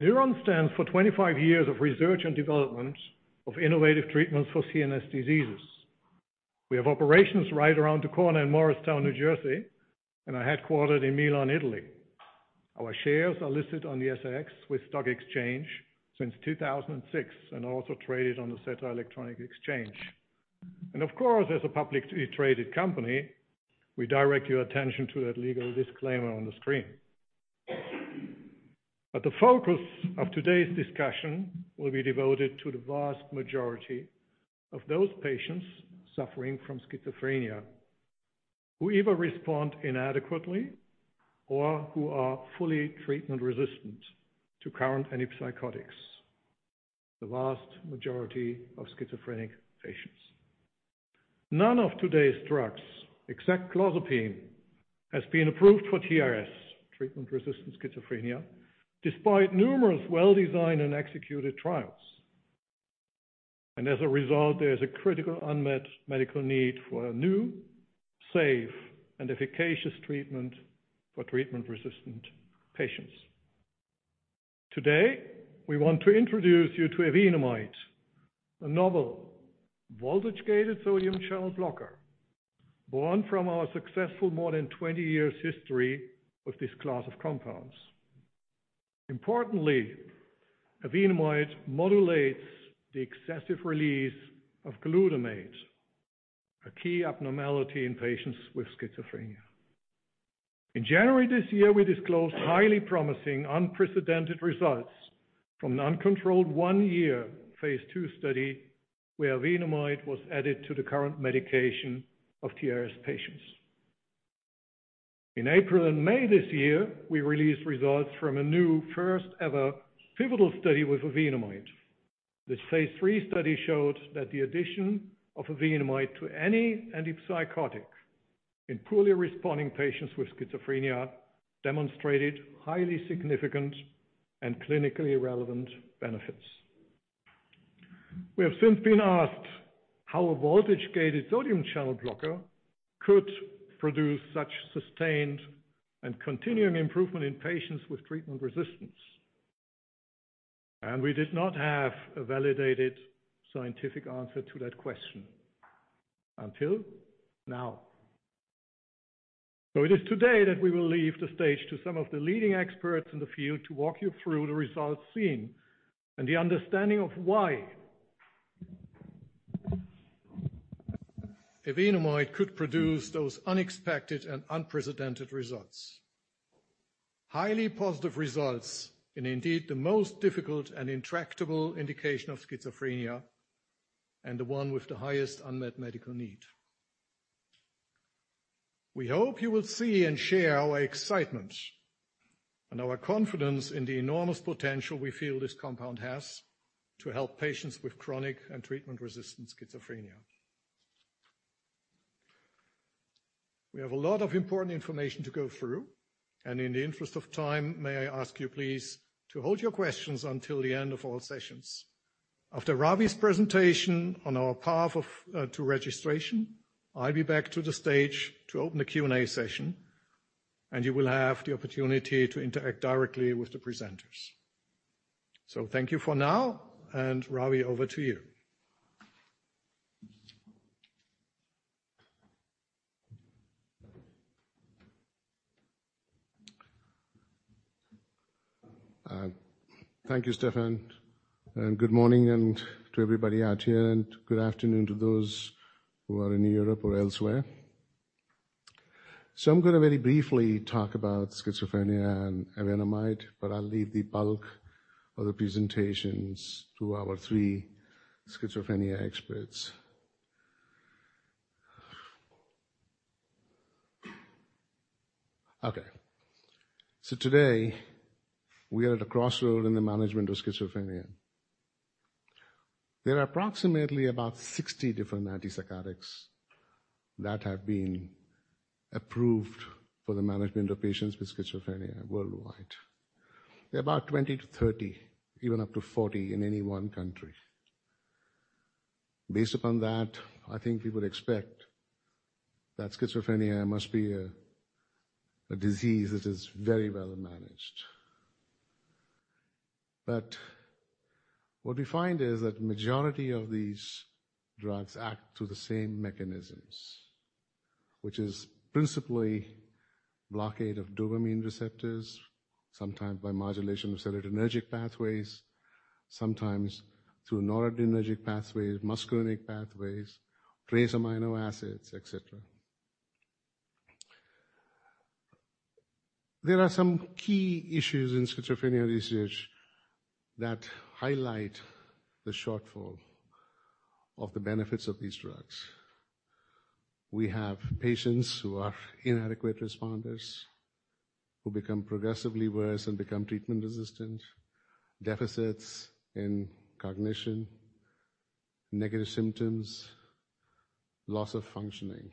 Newron stands for 25 years of research and development of innovative treatments for CNS diseases. We have operations right around the corner in Morristown, New Jersey, and are headquartered in Milan, Italy. Our shares are listed on the SIX Swiss Exchange since 2006 and also traded on the Xetra electronic exchange. Of course, as a publicly traded company, we direct your attention to that legal disclaimer on the screen. The focus of today's discussion will be devoted to the vast majority of those patients suffering from schizophrenia, who either respond inadequately or who are fully treatment resistant to current antipsychotics, the vast majority of schizophrenic patients. None of today's drugs, except clozapine, has been approved for TRS, treatment-resistant schizophrenia, despite numerous well-designed and executed trials. As a result, there is a critical unmet medical need for a new, safe, and efficacious treatment for treatment-resistant patients. Today, we want to introduce you to evenamide, a novel voltage-gated sodium channel blocker born from our successful more than 20 years history with this class of compounds. Importantly, evenamide modulates the excessive release of glutamate, a key abnormality in patients with schizophrenia. In January this year, we disclosed highly promising, unprecedented results from an uncontrolled one-year phase II study where evenamide was added to the current medication of TRS patients. In April and May this year, we released results from a new first-ever pivotal study with evenamide. This phase III study showed that the addition of evenamide to any antipsychotic in poorly responding patients with schizophrenia demonstrated highly significant and clinically relevant benefits. We have since been asked how a voltage-gated sodium channel blocker could produce such sustained and continuing improvement in patients with treatment resistance. We did not have a validated scientific answer to that question until now. It is today that we will leave the stage to some of the leading experts in the field to walk you through the results seen and the understanding of why evenamide could produce those unexpected and unprecedented results. Highly positive results in indeed the most difficult and intractable indication of schizophrenia, and the one with the highest unmet medical need. We hope you will see and share our excitement and our confidence in the enormous potential we feel this compound has to help patients with chronic and treatment-resistant schizophrenia. We have a lot of important information to go through, and in the interest of time, may I ask you please to hold your questions until the end of all sessions. After Ravi's presentation on our path to registration, I'll be back to the stage to open the Q&A session. You will have the opportunity to interact directly with the presenters. Thank you for now, Ravi, over to you. Thank you, Stefan, good morning to everybody out here, and good afternoon to those who are in Europe or elsewhere. I am going to very briefly talk about schizophrenia and evenamide, but I will leave the bulk of the presentations to our three schizophrenia experts. Today, we are at a crossroad in the management of schizophrenia. There are approximately 60 different antipsychotics that have been approved for the management of patients with schizophrenia worldwide. There are 20 to 30, even up to 40 in any one country. Based upon that, I think we would expect that schizophrenia must be a disease that is very well managed. What we find is that majority of these drugs act through the same mechanisms, which is principally blockade of dopamine receptors, sometimes by modulation of cholinergic pathways, sometimes through noradrenergic pathways, muscarinic pathways, trace amines, et cetera. There are some key issues in schizophrenia research that highlight the shortfall of the benefits of these drugs. We have patients who are inadequate responders, who become progressively worse and become treatment resistant, deficits in cognition, negative symptoms, loss of functioning.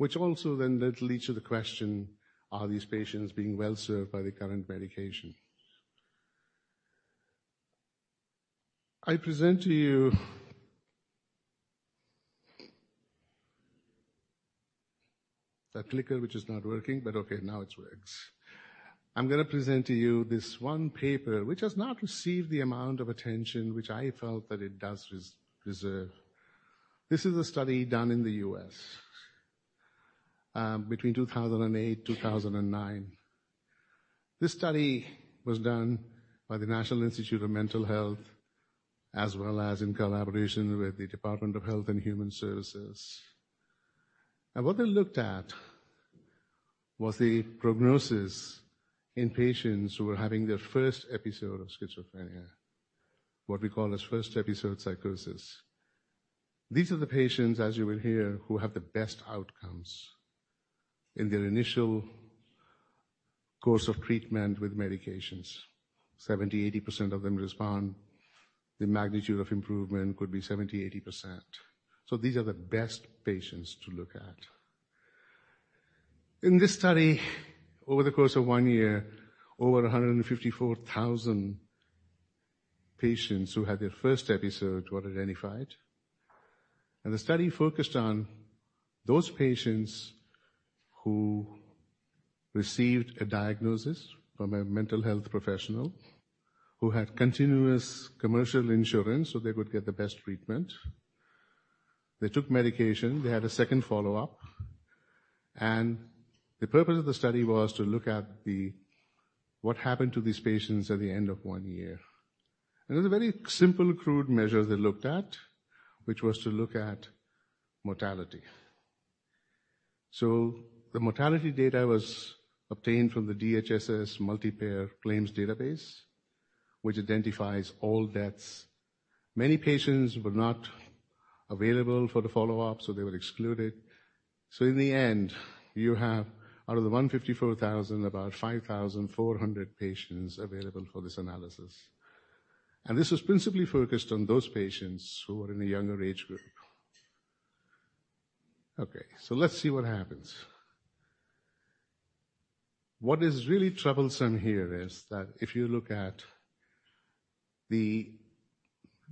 This also then leads to the question, are these patients being well served by the current medication? The clicker which is not working, but okay, now it works. I am going to present to you this one paper, which has not received the amount of attention which I felt that it does deserve. This is a study done in the U.S. between 2008 and 2009. This study was done by the National Institute of Mental Health, as well as in collaboration with the Department of Health and Human Services. What they looked at was the prognosis in patients who were having their first episode of schizophrenia, what we call as first-episode psychosis. These are the patients, as you will hear, who have the best outcomes in their initial course of treatment with medications. 70%, 80% of them respond. The magnitude of improvement could be 70%, 80%. These are the best patients to look at. In this study, over the course of one year, over 154,000 patients who had their first episode were identified, and the study focused on those patients who received a diagnosis from a mental health professional, who had continuous commercial insurance so they could get the best treatment. They took medication, they had a second follow-up, and the purpose of the study was to look at what happened to these patients at the end of one year. It was a very simple, crude measure they looked at, which was to look at mortality. The mortality data was obtained from the DHHS Multi-Payer Claims Database, which identifies all deaths. Many patients were not available for the follow-up, so they were excluded. In the end, you have, out of the 154,000, about 5,400 patients available for this analysis. This was principally focused on those patients who were in the younger age group. Let's see what happens. What is really troublesome here is that if you look at the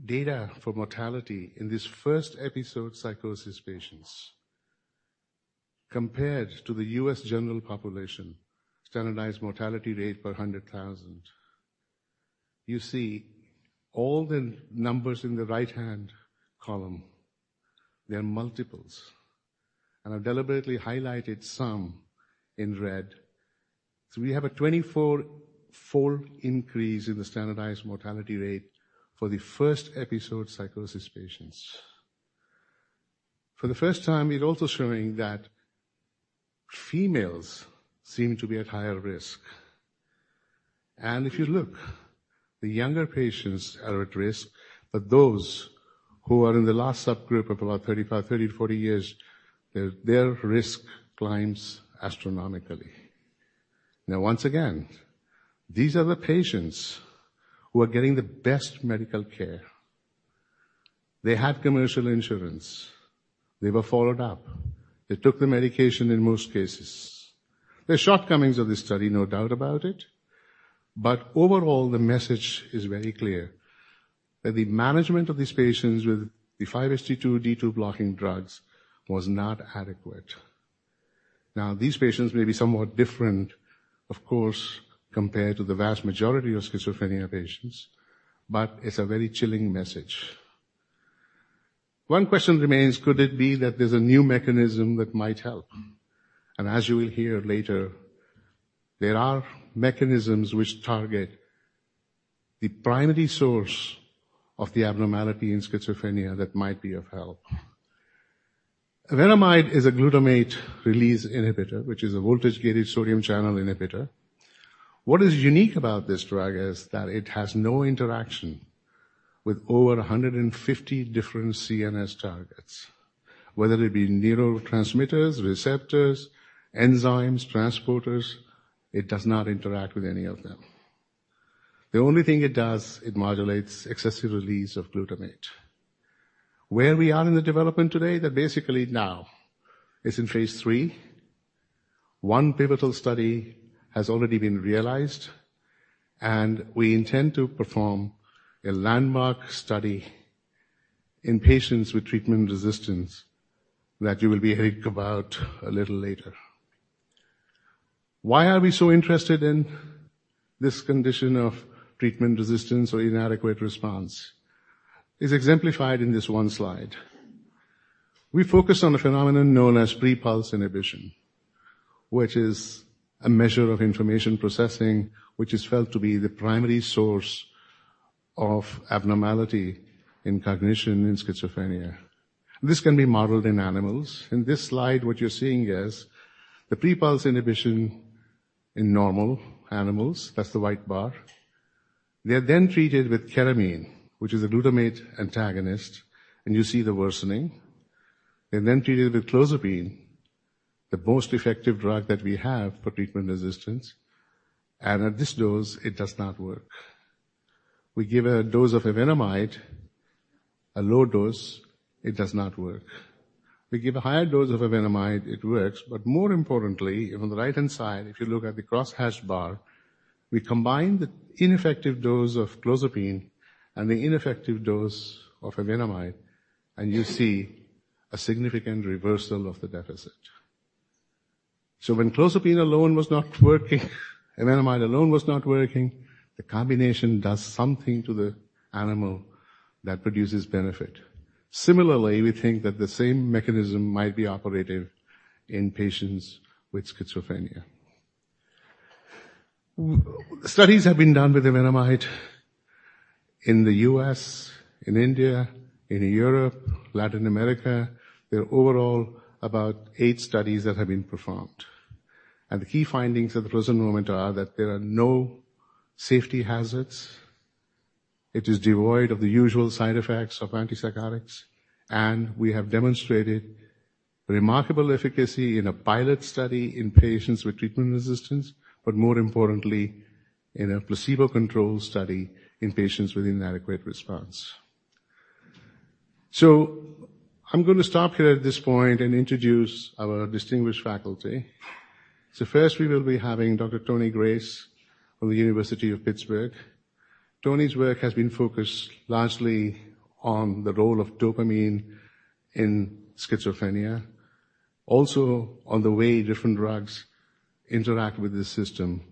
data for mortality in this first-episode psychosis patients, compared to the U.S. general population, standardized mortality rate per 100,000, you see all the numbers in the right-hand column, they are multiples. I have deliberately highlighted some in red. We have a 24-fold increase in the standardized mortality rate for the first-episode psychosis patients. For the first time, it also showing that females seem to be at higher risk. If you look, the younger patients are at risk, but those who are in the last subgroup of about 35, 30 to 40 years, their risk climbs astronomically. Once again, these are the patients who are getting the best medical care. They have commercial insurance. They were followed up. They took the medication in most cases. There are shortcomings of this study, no doubt about it, but overall, the message is very clear, that the management of these patients with the 5-HT2, D2 blocking drugs was not adequate. These patients may be somewhat different, of course, compared to the vast majority of schizophrenia patients, but it's a very chilling message. One question remains: could it be that there's a new mechanism that might help? As you will hear later, there are mechanisms which target the primary source of the abnormality in schizophrenia that might be of help. Evenamide is a glutamate release inhibitor, which is a voltage-gated sodium channel inhibitor. What is unique about this drug is that it has no interaction with over 150 different CNS targets. Whether it be neurotransmitters, receptors, enzymes, transporters, it does not interact with any of them. The only thing it does, it modulates excessive release of glutamate. Where we are in the development today, they're basically now it's in phase III. One pivotal study has already been realized, we intend to perform a landmark study in patients with treatment resistance that you will be hearing about a little later. Why are we so interested in this condition of treatment resistance or inadequate response? It's exemplified in this one slide. We focus on a phenomenon known as prepulse inhibition, which is a measure of information processing, which is felt to be the primary source of abnormality in cognition in schizophrenia. This can be modeled in animals. In this slide, what you're seeing is the prepulse inhibition in normal animals. That's the white bar. They're then treated with ketamine, which is a glutamate antagonist, you see the worsening. They're then treated with clozapine, the most effective drug that we have for treatment resistance. At this dose, it does not work. We give a dose of evenamide, a low dose, it does not work. We give a higher dose of evenamide, it works. More importantly, on the right-hand side, if you look at the cross-hashed bar. We combine the ineffective dose of clozapine and the ineffective dose of evenamide, you see a significant reversal of the deficit. When clozapine alone was not working, evenamide alone was not working, the combination does something to the animal that produces benefit. Similarly, we think that the same mechanism might be operative in patients with schizophrenia. Studies have been done with evenamide in the U.S., in India, in Europe, Latin America. There are overall about eight studies that have been performed. The key findings at the present moment are that there are no safety hazards, it is devoid of the usual side effects of antipsychotics, we have demonstrated remarkable efficacy in a pilot study in patients with treatment resistance, but more importantly, in a placebo-controlled study in patients with inadequate response. I'm going to stop here at this point and introduce our distinguished faculty. First, we will be having Dr. Tony Grace from the University of Pittsburgh. Tony's work has been focused largely on the role of dopamine in schizophrenia, also on the way different drugs interact with this system.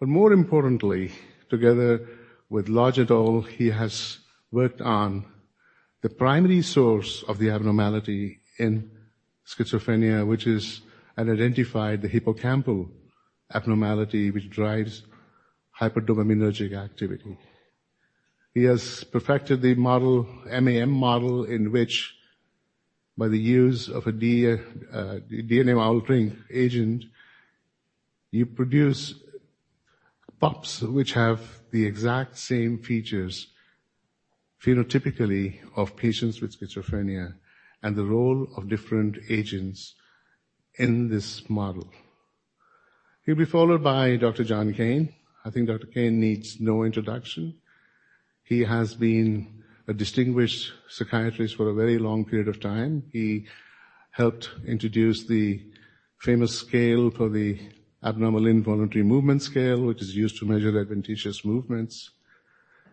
More importantly, together with Lodge et al., he has worked on the primary source of the abnormality in schizophrenia, which has identified the hippocampal abnormality which drives hyperdopaminergic activity. He has perfected the MAM model in which by the use of a DNA alkylating agent, you produce pups which have the exact same features phenotypically of patients with schizophrenia, and the role of different agents in this model. He will be followed by Dr. John Kane. I think Dr. John Kane needs no introduction. He has been a distinguished psychiatrist for a very long period of time. He helped introduce the famous scale for the Abnormal Involuntary Movement Scale, which is used to measure adventitious movements.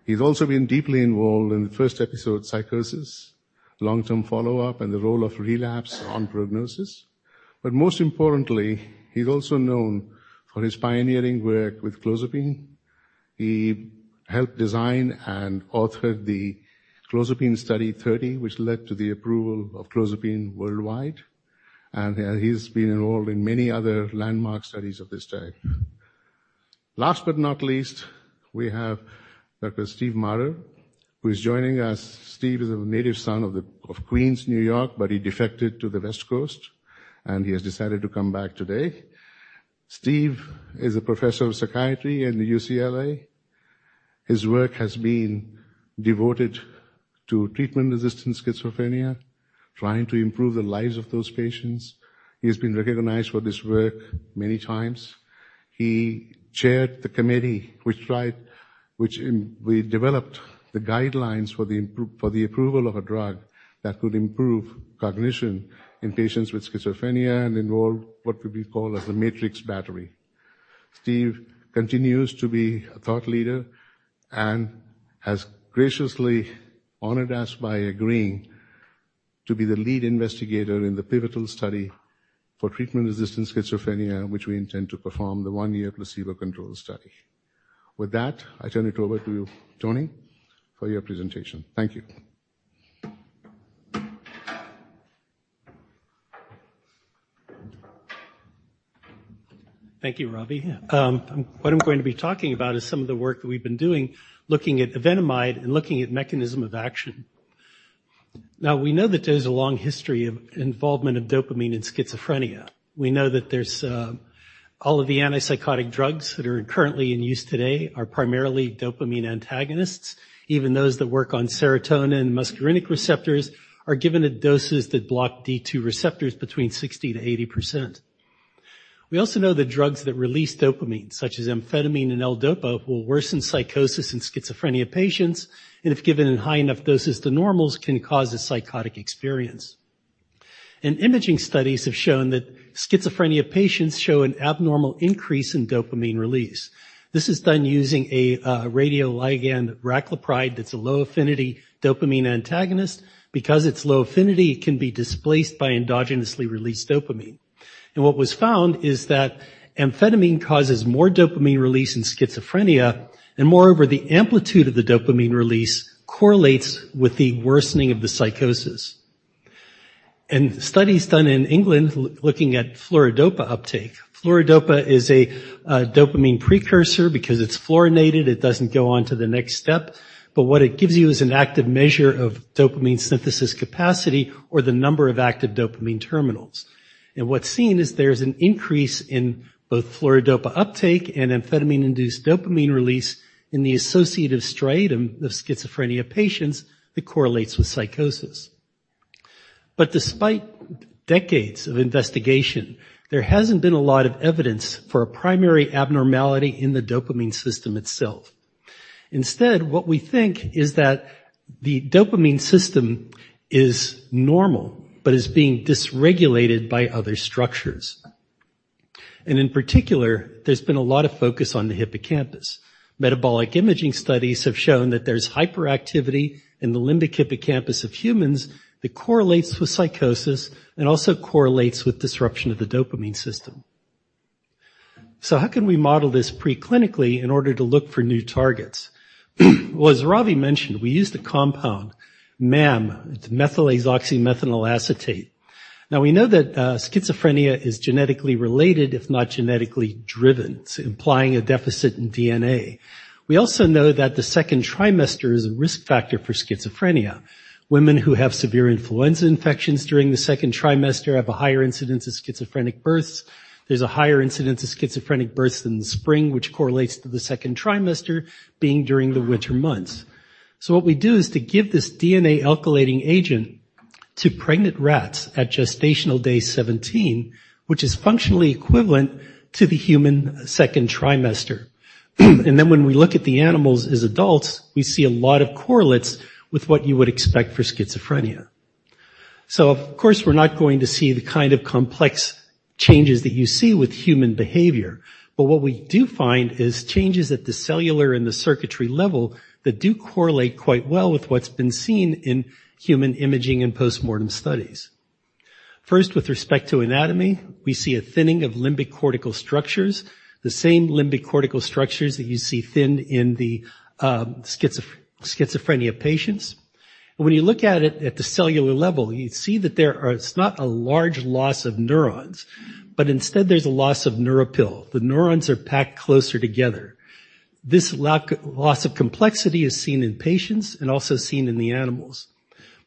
He's also been deeply involved in the first-episode psychosis, long-term follow-up, and the role of relapse on prognosis. Most importantly, he's also known for his pioneering work with clozapine. He helped design and authored the Clozapine Study 30, which led to the approval of clozapine worldwide, and he's been involved in many other landmark studies of this day. Last but not least, we have Dr. Steve Marder who is joining us. Steve is a native son of Queens, New York, but he defected to the West Coast, and he has decided to come back today. Steve is a professor of psychiatry in the UCLA. His work has been devoted to treatment-resistant schizophrenia, trying to improve the lives of those patients. He has been recognized for this work many times. He chaired the committee which developed the guidelines for the approval of a drug that could improve cognition in patients with schizophrenia and involved what could be called as the MATRICS battery. Steve continues to be a thought leader and has graciously honored us by agreeing to be the lead investigator in the pivotal study for treatment-resistant schizophrenia, which we intend to perform the one-year placebo-controlled study. With that, I turn it over to you, Tony, for your presentation. Thank you. Thank you, Ravi. What I'm going to be talking about is some of the work that we've been doing, looking at evenamide and looking at mechanism of action. We know that there's a long history of involvement of dopamine in schizophrenia. We know that all of the antipsychotic drugs that are currently in use today are primarily dopamine antagonists. Even those that work on serotonin and muscarinic receptors are given at doses that block D2 receptors between 60%-80%. We also know that drugs that release dopamine, such as amphetamine and L-DOPA, will worsen psychosis in schizophrenia patients, and if given in high enough doses to normals, can cause a psychotic experience. Imaging studies have shown that schizophrenia patients show an abnormal increase in dopamine release. This is done using a radioligand, raclopride, that's a low-affinity dopamine antagonist. Because it's low affinity, it can be displaced by endogenously released dopamine. What was found is that amphetamine causes more dopamine release in schizophrenia, and moreover, the amplitude of the dopamine release correlates with the worsening of the psychosis. Studies done in England looking at fluorodopa uptake. Fluorodopa is a dopamine precursor. Because it's fluorinated, it doesn't go on to the next step. What it gives you is an active measure of dopamine synthesis capacity or the number of active dopamine terminals. What's seen is there's an increase in both fluorodopa uptake and amphetamine-induced dopamine release in the associative striatum of schizophrenia patients that correlates with psychosis. Despite decades of investigation, there hasn't been a lot of evidence for a primary abnormality in the dopamine system itself. Instead, what we think is that the dopamine system is normal but is being dysregulated by other structures. In particular, there's been a lot of focus on the hippocampus. Metabolic imaging studies have shown that there's hyperactivity in the limbic hippocampus of humans that correlates with psychosis and also correlates with disruption of the dopamine system. How can we model this preclinically in order to look for new targets? Well, as Ravi mentioned, we use the compound MAM, it's methylazoxymethanol acetate. We know that schizophrenia is genetically related, if not genetically driven, implying a deficit in DNA. We also know that the second trimester is a risk factor for schizophrenia. Women who have severe influenza infections during the second trimester have a higher incidence of schizophrenic births. There's a higher incidence of schizophrenic births in the spring, which correlates to the second trimester being during the winter months. What we do is to give this DNA alkylating agent to pregnant rats at gestational day 17, which is functionally equivalent to the human second trimester. When we look at the animals as adults, we see a lot of correlates with what you would expect for schizophrenia. Of course, we're not going to see the kind of complex changes that you see with human behavior. What we do find is changes at the cellular and the circuitry level that do correlate quite well with what's been seen in human imaging and postmortem studies. First, with respect to anatomy, we see a thinning of limbic cortical structures, the same limbic cortical structures that you see thinned in the schizophrenia patients. When you look at it at the cellular level, you see that there is not a large loss of neurons, but instead there's a loss of neuropil. The neurons are packed closer together. This loss of complexity is seen in patients and also seen in the animals.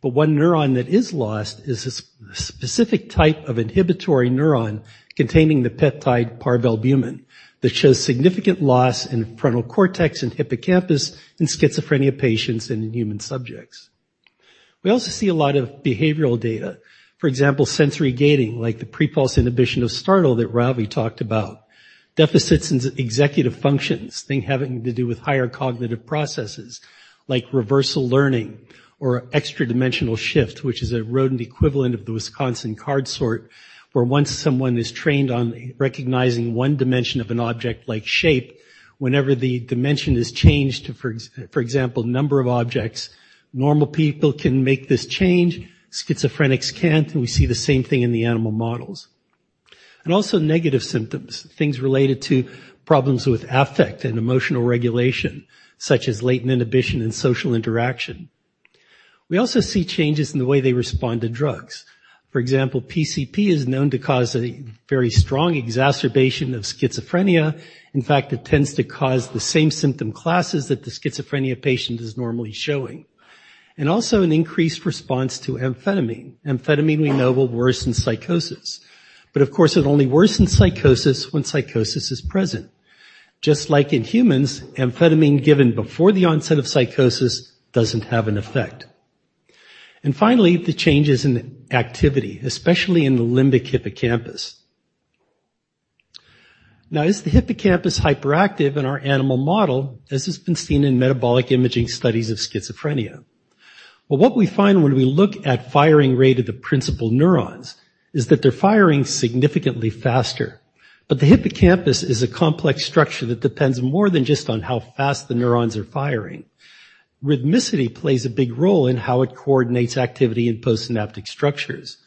One neuron that is lost is a specific type of inhibitory neuron containing the peptide parvalbumin that shows significant loss in the frontal cortex and hippocampus in schizophrenia patients and in human subjects. We also see a lot of behavioral data. For example, sensory gating, like the prepulse inhibition of startle that Ravi talked about. Deficits in executive functions, things having to do with higher cognitive processes like reversal learning or extra-dimensional shift, which is a rodent equivalent of the Wisconsin Card Sorting Test, where once someone is trained on recognizing one dimension of an object-like shape, whenever the dimension is changed, for example, number of objects, normal people can make this change, schizophrenics can't. We see the same thing in the animal models. Also negative symptoms, things related to problems with affect and emotional regulation, such as latent inhibition and social interaction. We also see changes in the way they respond to drugs. For example, PCP is known to cause a very strong exacerbation of schizophrenia. In fact, it tends to cause the same symptom classes that the schizophrenia patient is normally showing. Also an increased response to amphetamine. Amphetamine we know will worsen psychosis. Of course, it only worsens psychosis when psychosis is present. Just like in humans, amphetamine given before the onset of psychosis doesn't have an effect. Finally, the changes in activity, especially in the limbic hippocampus. Now is the hippocampus hyperactive in our animal model, as has been seen in metabolic imaging studies of schizophrenia? Well, what we find when we look at firing rate of the principal neurons is that they're firing significantly faster. The hippocampus is a complex structure that depends more than just on how fast the neurons are firing. Rhythmicity plays a big role in how it coordinates activity in postsynaptic structures.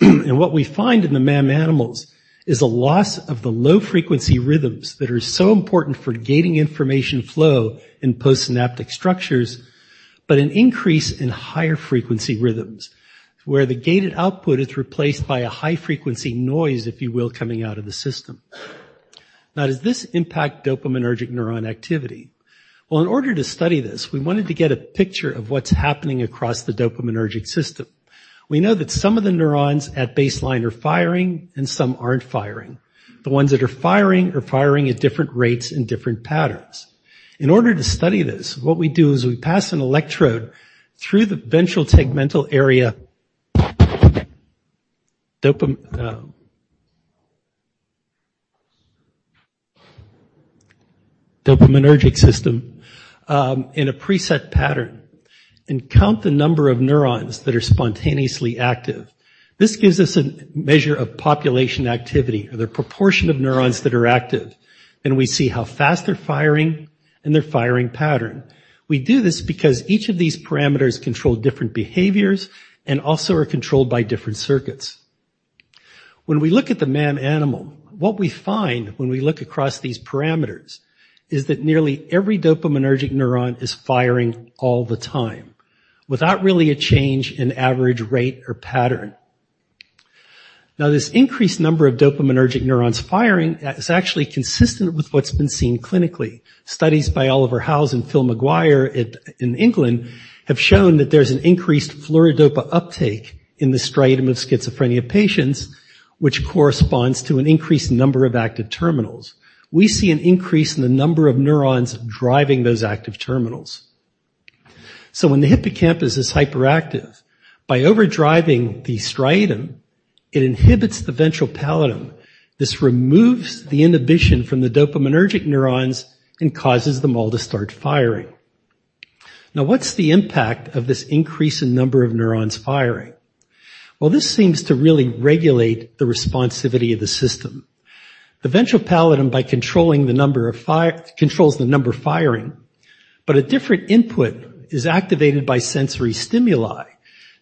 What we find in the MAM animals is a loss of the low-frequency rhythms that are so important for gating information flow in postsynaptic structures, but an increase in higher frequency rhythms, where the gated output is replaced by a high-frequency noise, if you will, coming out of the system. Now, does this impact dopaminergic neuron activity? Well, in order to study this, we wanted to get a picture of what's happening across the dopaminergic system. We know that some of the neurons at baseline are firing and some aren't firing. The ones that are firing are firing at different rates and different patterns. In order to study this, what we do is we pass an electrode through the ventral tegmental area dopaminergic system in a preset pattern and count the number of neurons that are spontaneously active. This gives us a measure of population activity or the proportion of neurons that are active. We see how fast they're firing and their firing pattern. We do this because each of these parameters control different behaviors and also are controlled by different circuits. When we look at the MAM animal, what we find when we look across these parameters is that nearly every dopaminergic neuron is firing all the time without really a change in average rate or pattern. Now, this increased number of dopaminergic neurons firing is actually consistent with what's been seen clinically. Studies by Oliver Howes and Phil McGuire in England have shown that there's an increased fluorodopa uptake in the striatum of schizophrenia patients, which corresponds to an increased number of active terminals. We see an increase in the number of neurons driving those active terminals. So when the hippocampus is hyperactive, by overdriving the striatum, it inhibits the ventral pallidum. This removes the inhibition from the dopaminergic neurons and causes them all to start firing. What's the impact of this increase in number of neurons firing? This seems to really regulate the responsivity of the system. The ventral pallidum, by controlling the number of firing, controls the number firing, but a different input is activated by sensory stimuli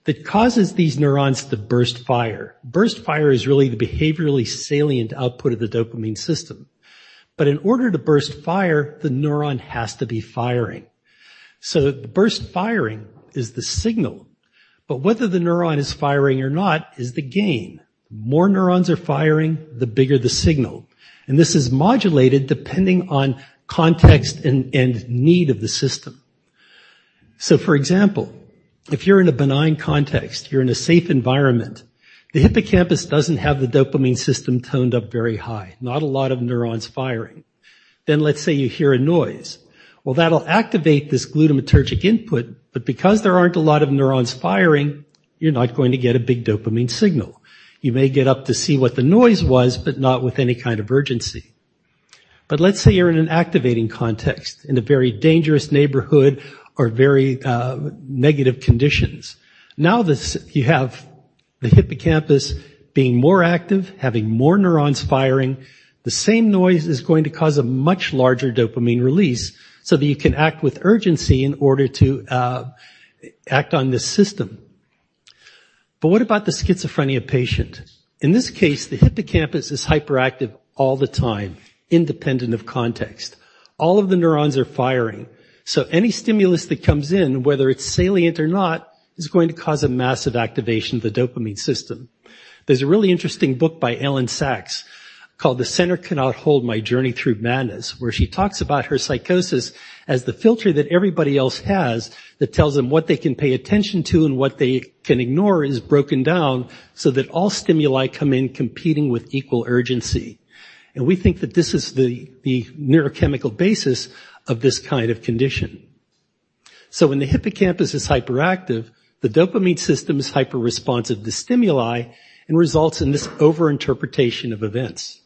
that causes these neurons to burst fire. Burst fire is really the behaviorally salient output of the dopamine system. In order to burst fire, the neuron has to be firing. The burst firing is the signal, but whether the neuron is firing or not is the gain. The more neurons are firing, the bigger the signal. This is modulated depending on context and need of the system. For example, if you're in a benign context, you're in a safe environment, the hippocampus doesn't have the dopamine system toned up very high, not a lot of neurons firing. Let's say you hear a noise. That'll activate this glutamatergic input, because there aren't a lot of neurons firing, you're not going to get a big dopamine signal. You may get up to see what the noise was, but not with any kind of urgency. Let's say you're in an activating context, in a very dangerous neighborhood or very negative conditions. You have the hippocampus being more active, having more neurons firing. The same noise is going to cause a much larger dopamine release so that you can act with urgency in order to act on this system. What about the schizophrenia patient? In this case, the hippocampus is hyperactive all the time, independent of context. All of the neurons are firing, any stimulus that comes in, whether it's salient or not, is going to cause a massive activation of the dopamine system. There's a really interesting book by Elyn Saks called "The Center Cannot Hold: My Journey Through Madness," where she talks about her psychosis as the filter that everybody else has that tells them what they can pay attention to and what they can ignore is broken down so that all stimuli come in competing with equal urgency. We think that this is the neurochemical basis of this kind of condition. When the hippocampus is hyperactive, the dopamine system is hyperresponsive to stimuli and results in this overinterpretation of events.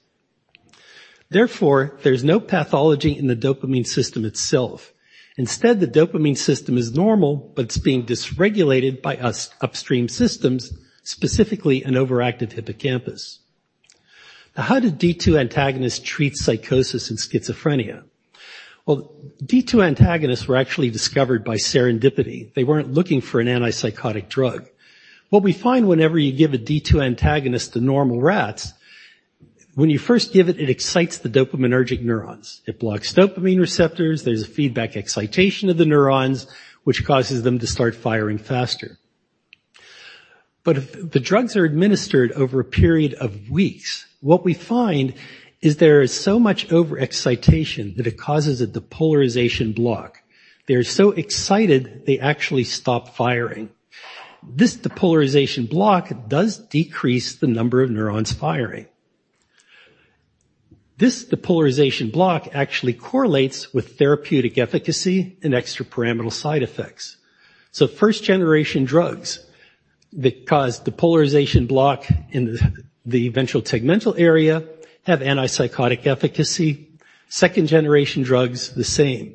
Therefore, there's no pathology in the dopamine system itself. Instead, the dopamine system is normal, but it's being dysregulated by upstream systems, specifically an overactive hippocampus. How do D2 antagonists treat psychosis in schizophrenia? D2 antagonists were actually discovered by serendipity. They weren't looking for an antipsychotic drug. We find whenever you give a D2 antagonist to normal rats, when you first give it excites the dopaminergic neurons. It blocks dopamine receptors, there's a feedback excitation of the neurons, which causes them to start firing faster. If the drugs are administered over a period of weeks, we find is there is so much overexcitation that it causes a depolarization block. They're so excited, they actually stop firing. This depolarization block does decrease the number of neurons firing. This depolarization block actually correlates with therapeutic efficacy and extrapyramidal side effects. First-generation drugs that cause depolarization block in the ventral tegmental area have antipsychotic efficacy. Second-generation drugs, the same.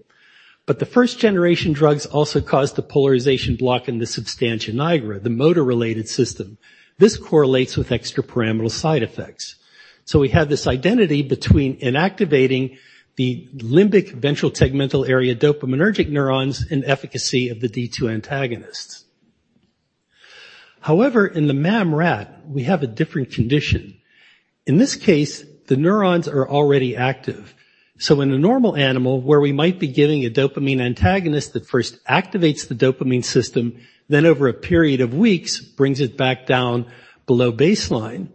The first-generation drugs also cause depolarization block in the substantia nigra, the motor-related system. This correlates with extrapyramidal side effects. We have this identity between inactivating the limbic ventral tegmental area dopaminergic neurons and efficacy of the D2 antagonists. However, in the MAM rat, we have a different condition. In this case, the neurons are already active. In a normal animal where we might be giving a dopamine antagonist that first activates the dopamine system, then over a period of weeks, brings it back down below baseline,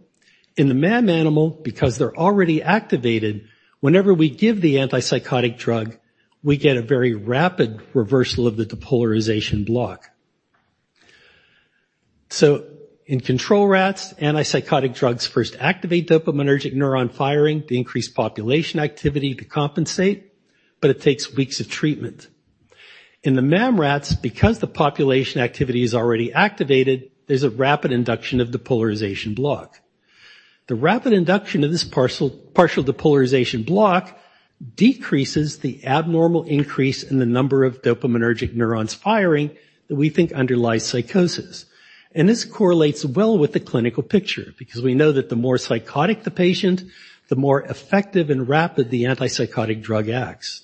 in the MAM animal, because they're already activated, whenever we give the antipsychotic drug, we get a very rapid reversal of the depolarization block. In control rats, antipsychotic drugs first activate dopaminergic neuron firing to increase population activity to compensate, but it takes weeks of treatment. In the MAM rats, because the population activity is already activated, there's a rapid induction of depolarization block. The rapid induction of this partial depolarization block decreases the abnormal increase in the number of dopaminergic neurons firing that we think underlies psychosis. This correlates well with the clinical picture because we know that the more psychotic the patient, the more effective and rapid the antipsychotic drug acts.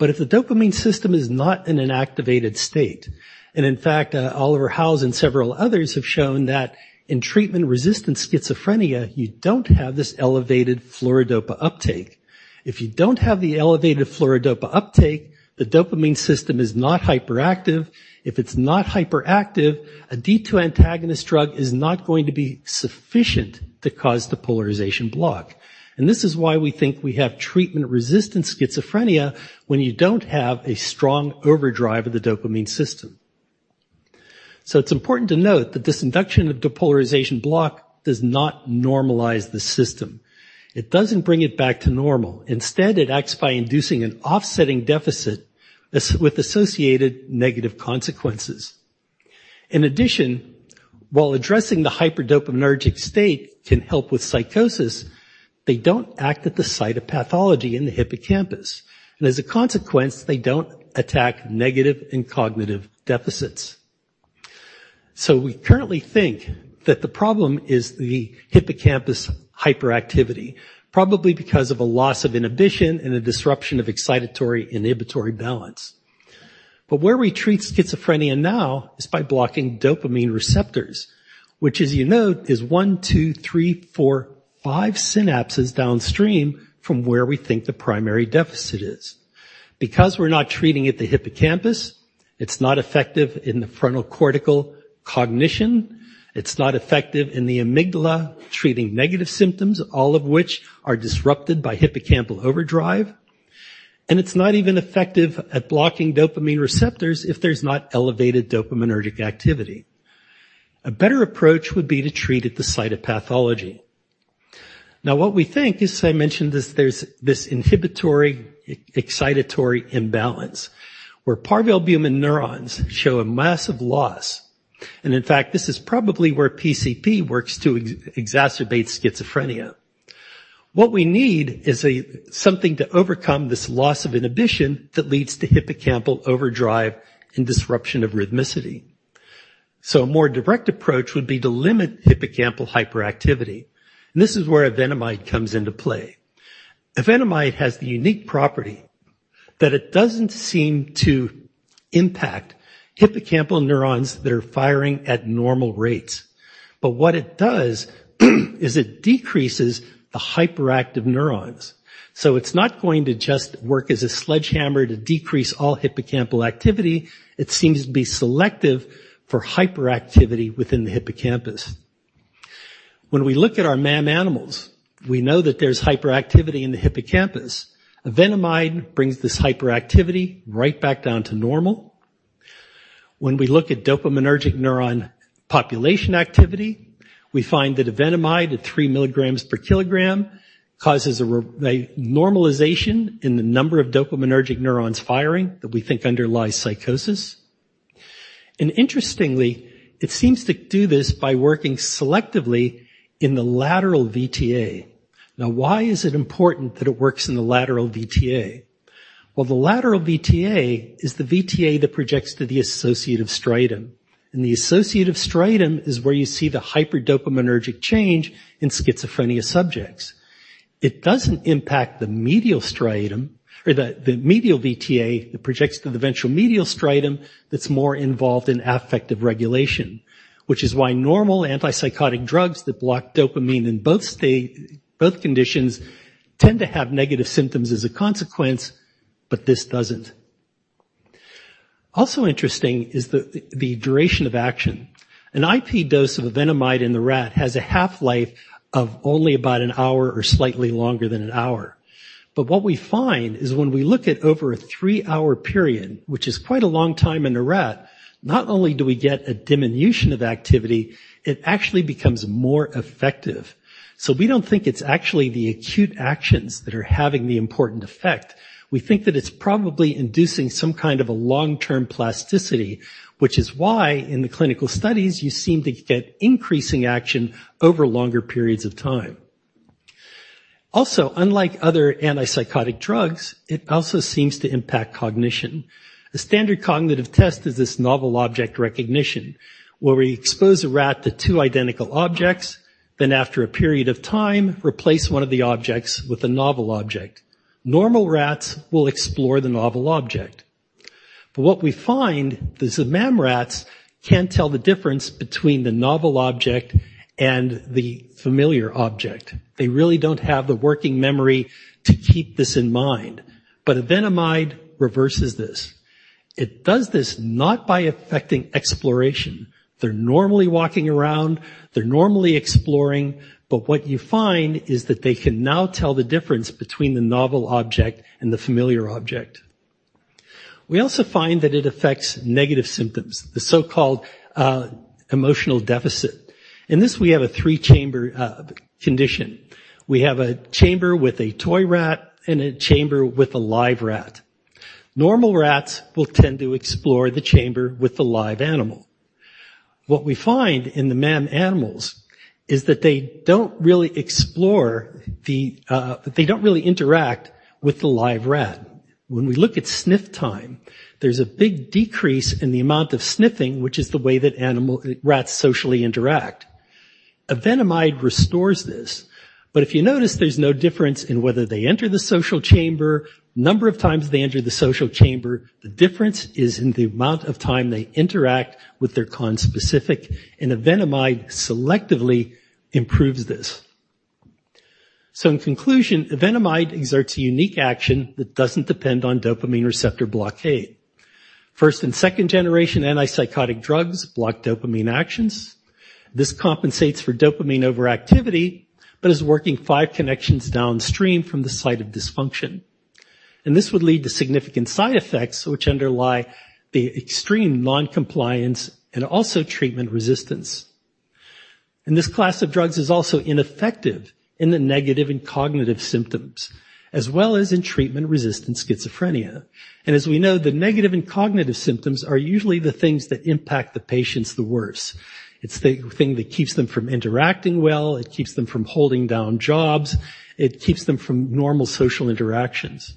If the dopamine system is not in an activated state, and in fact, Oliver Howes and several others have shown that in treatment-resistant schizophrenia, you don't have this elevated fluorodopa uptake. If you don't have the elevated fluorodopa uptake, the dopamine system is not hyperactive. If it's not hyperactive, a D2 antagonist drug is not going to be sufficient to cause depolarization block. This is why we think we have treatment-resistant schizophrenia when you don't have a strong overdrive of the dopamine system. It's important to note that this induction of depolarization block does not normalize the system. It doesn't bring it back to normal. Instead, it acts by inducing an offsetting deficit with associated negative consequences. In addition, while addressing the hyperdopaminergic state can help with psychosis, they don't act at the site of pathology in the hippocampus, and as a consequence, they don't attack negative and cognitive deficits. We currently think that the problem is the hippocampus hyperactivity, probably because of a loss of inhibition and a disruption of excitatory inhibitory balance. Where we treat schizophrenia now is by blocking dopamine receptors, which as you note, is one, two, three, four, five synapses downstream from where we think the primary deficit is. Because we're not treating at the hippocampus, it's not effective in the frontal cortical cognition. It's not effective in the amygdala treating negative symptoms, all of which are disrupted by hippocampal overdrive, and it's not even effective at blocking dopamine receptors if there's not elevated dopaminergic activity. A better approach would be to treat at the site of pathology. What we think is, as I mentioned, is there's this inhibitory, excitatory imbalance where parvalbumin neurons show a massive loss, and in fact, this is probably where PCP works to exacerbate schizophrenia. What we need is something to overcome this loss of inhibition that leads to hippocampal overdrive and disruption of rhythmicity. A more direct approach would be to limit hippocampal hyperactivity, and this is where evenamide comes into play. Evenamide has the unique property that it doesn't seem to impact hippocampal neurons that are firing at normal rates. What it does is it decreases the hyperactive neurons. It's not going to just work as a sledgehammer to decrease all hippocampal activity. It seems to be selective for hyperactivity within the hippocampus. When we look at our MAM animals, we know that there's hyperactivity in the hippocampus. Evenamide brings this hyperactivity right back down to normal. When we look at dopaminergic neuron population activity, we find that evenamide at three milligrams per kilogram causes a normalization in the number of dopaminergic neurons firing that we think underlies psychosis. Interestingly, it seems to do this by working selectively in the lateral VTA. Why is it important that it works in the lateral VTA? The lateral VTA is the VTA that projects to the associative striatum, and the associative striatum is where you see the hyperdopaminergic change in schizophrenia subjects. It doesn't impact the medial striatum or the medial VTA that projects to the ventral medial striatum that's more involved in affective regulation, which is why normal antipsychotic drugs that block dopamine in both conditions tend to have negative symptoms as a consequence, but this doesn't. Also interesting is the duration of action. An IP dose of evenamide in the rat has a half-life of only about an hour or slightly longer than an hour. What we find is when we look at over a three-hour period, which is quite a long time in a rat, not only do we get a diminution of activity, it actually becomes more effective. We don't think it's actually the acute actions that are having the important effect. We think that it's probably inducing some kind of a long-term plasticity, which is why in the clinical studies, you seem to get increasing action over longer periods of time. Also, unlike other antipsychotic drugs, it also seems to impact cognition. A standard cognitive test is this novel object recognition, where we expose a rat to two identical objects, then after a period of time, replace one of the objects with a novel object. Normal rats will explore the novel object. What we find is the MAM rats can't tell the difference between the novel object and the familiar object. They really don't have the working memory to keep this in mind. Evenamide reverses this. It does this not by affecting exploration. They're normally walking around, they're normally exploring, but what you find is that they can now tell the difference between the novel object and the familiar object. We also find that it affects negative symptoms, the so-called emotional deficit. In this, we have a three-chamber condition. We have a chamber with a toy rat and a chamber with a live rat. Normal rats will tend to explore the chamber with the live animal. What we find in the MAM animals is that they don't really interact with the live rat. When we look at sniff time, there's a big decrease in the amount of sniffing, which is the way that rats socially interact. Evenamide restores this, but if you notice, there's no difference in whether they enter the social chamber, number of times they enter the social chamber. The difference is in the amount of time they interact with their conspecific, and evenamide selectively improves this. In conclusion, evenamide exerts a unique action that doesn't depend on dopamine receptor blockade. First and second-generation antipsychotic drugs block dopamine actions. This compensates for dopamine overactivity but is working five connections downstream from the site of dysfunction. This would lead to significant side effects which underlie the extreme non-compliance and also treatment resistance. This class of drugs is also ineffective in the negative and cognitive symptoms, as well as in treatment-resistant schizophrenia. As we know, the negative and cognitive symptoms are usually the things that impact the patients the worst. It's the thing that keeps them from interacting well, it keeps them from holding down jobs. It keeps them from normal social interactions.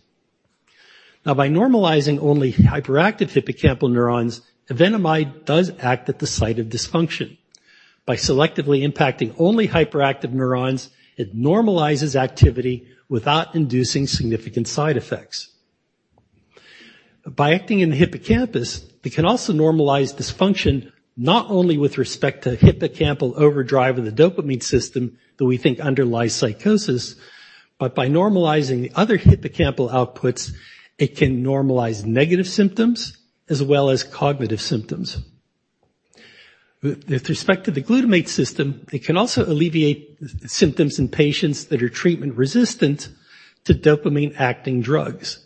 By normalizing only hyperactive hippocampal neurons, evenamide does act at the site of dysfunction. By selectively impacting only hyperactive neurons, it normalizes activity without inducing significant side effects. By acting in the hippocampus, it can also normalize dysfunction, not only with respect to hippocampal overdrive of the dopamine system that we think underlies psychosis, but by normalizing the other hippocampal outputs, it can normalize negative symptoms as well as cognitive symptoms. With respect to the glutamate system, it can also alleviate symptoms in patients that are treatment-resistant to dopamine-acting drugs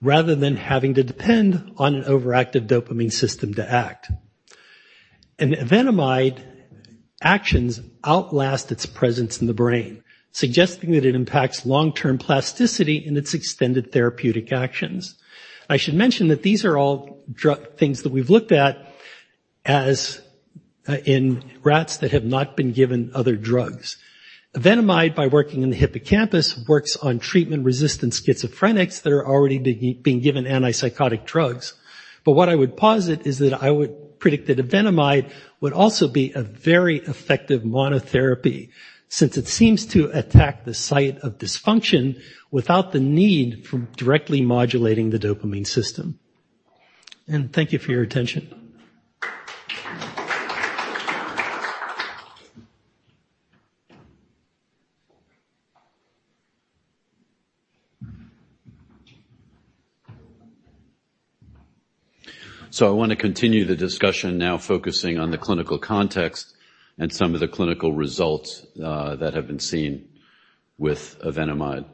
rather than having to depend on an overactive dopamine system to act. Evenamide actions outlast its presence in the brain, suggesting that it impacts long-term plasticity in its extended therapeutic actions. I should mention that these are all things that we've looked at in rats that have not been given other drugs. Evenamide, by working in the hippocampus, works on treatment-resistant schizophrenics that are already being given antipsychotic drugs. What I would posit is that I would predict that evenamide would also be a very effective monotherapy, since it seems to attack the site of dysfunction without the need for directly modulating the dopamine system. Thank you for your attention. I want to continue the discussion now focusing on the clinical context and some of the clinical results that have been seen with evenamide.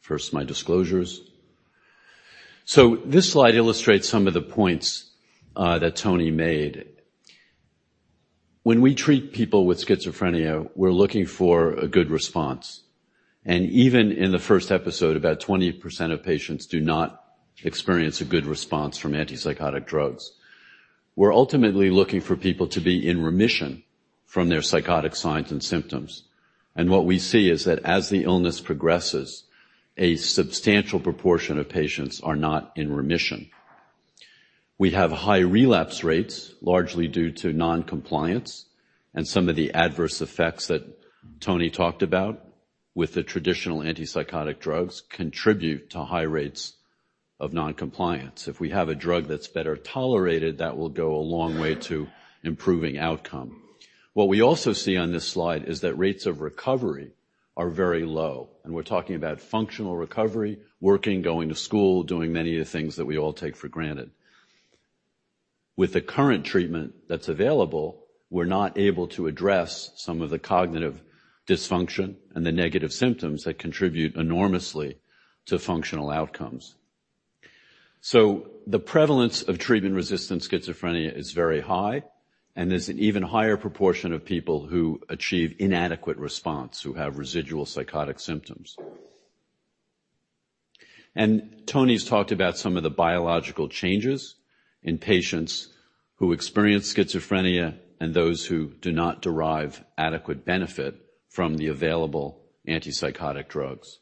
First, my disclosures. This slide illustrates some of the points that Tony made. When we treat people with schizophrenia, we're looking for a good response. Even in the first episode, about 20% of patients do not experience a good response from antipsychotic drugs. We're ultimately looking for people to be in remission from their psychotic signs and symptoms. What we see is that as the illness progresses, a substantial proportion of patients are not in remission. We have high relapse rates, largely due to non-compliance, and some of the adverse effects that Tony talked about with the traditional antipsychotic drugs contribute to high rates of non-compliance. If we have a drug that is better tolerated, that will go a long way to improving outcome. What we also see on this slide is that rates of recovery are very low, and we are talking about functional recovery, working, going to school, doing many of the things that we all take for granted. With the current treatment that is available, we are not able to address some of the cognitive dysfunction and the negative symptoms that contribute enormously to functional outcomes. The prevalence of treatment-resistant schizophrenia is very high, and there is an even higher proportion of people who achieve inadequate response, who have residual psychotic symptoms. And Tony has talked about some of the biological changes in patients who experience schizophrenia and those who do not derive adequate benefit from the available antipsychotic drugs.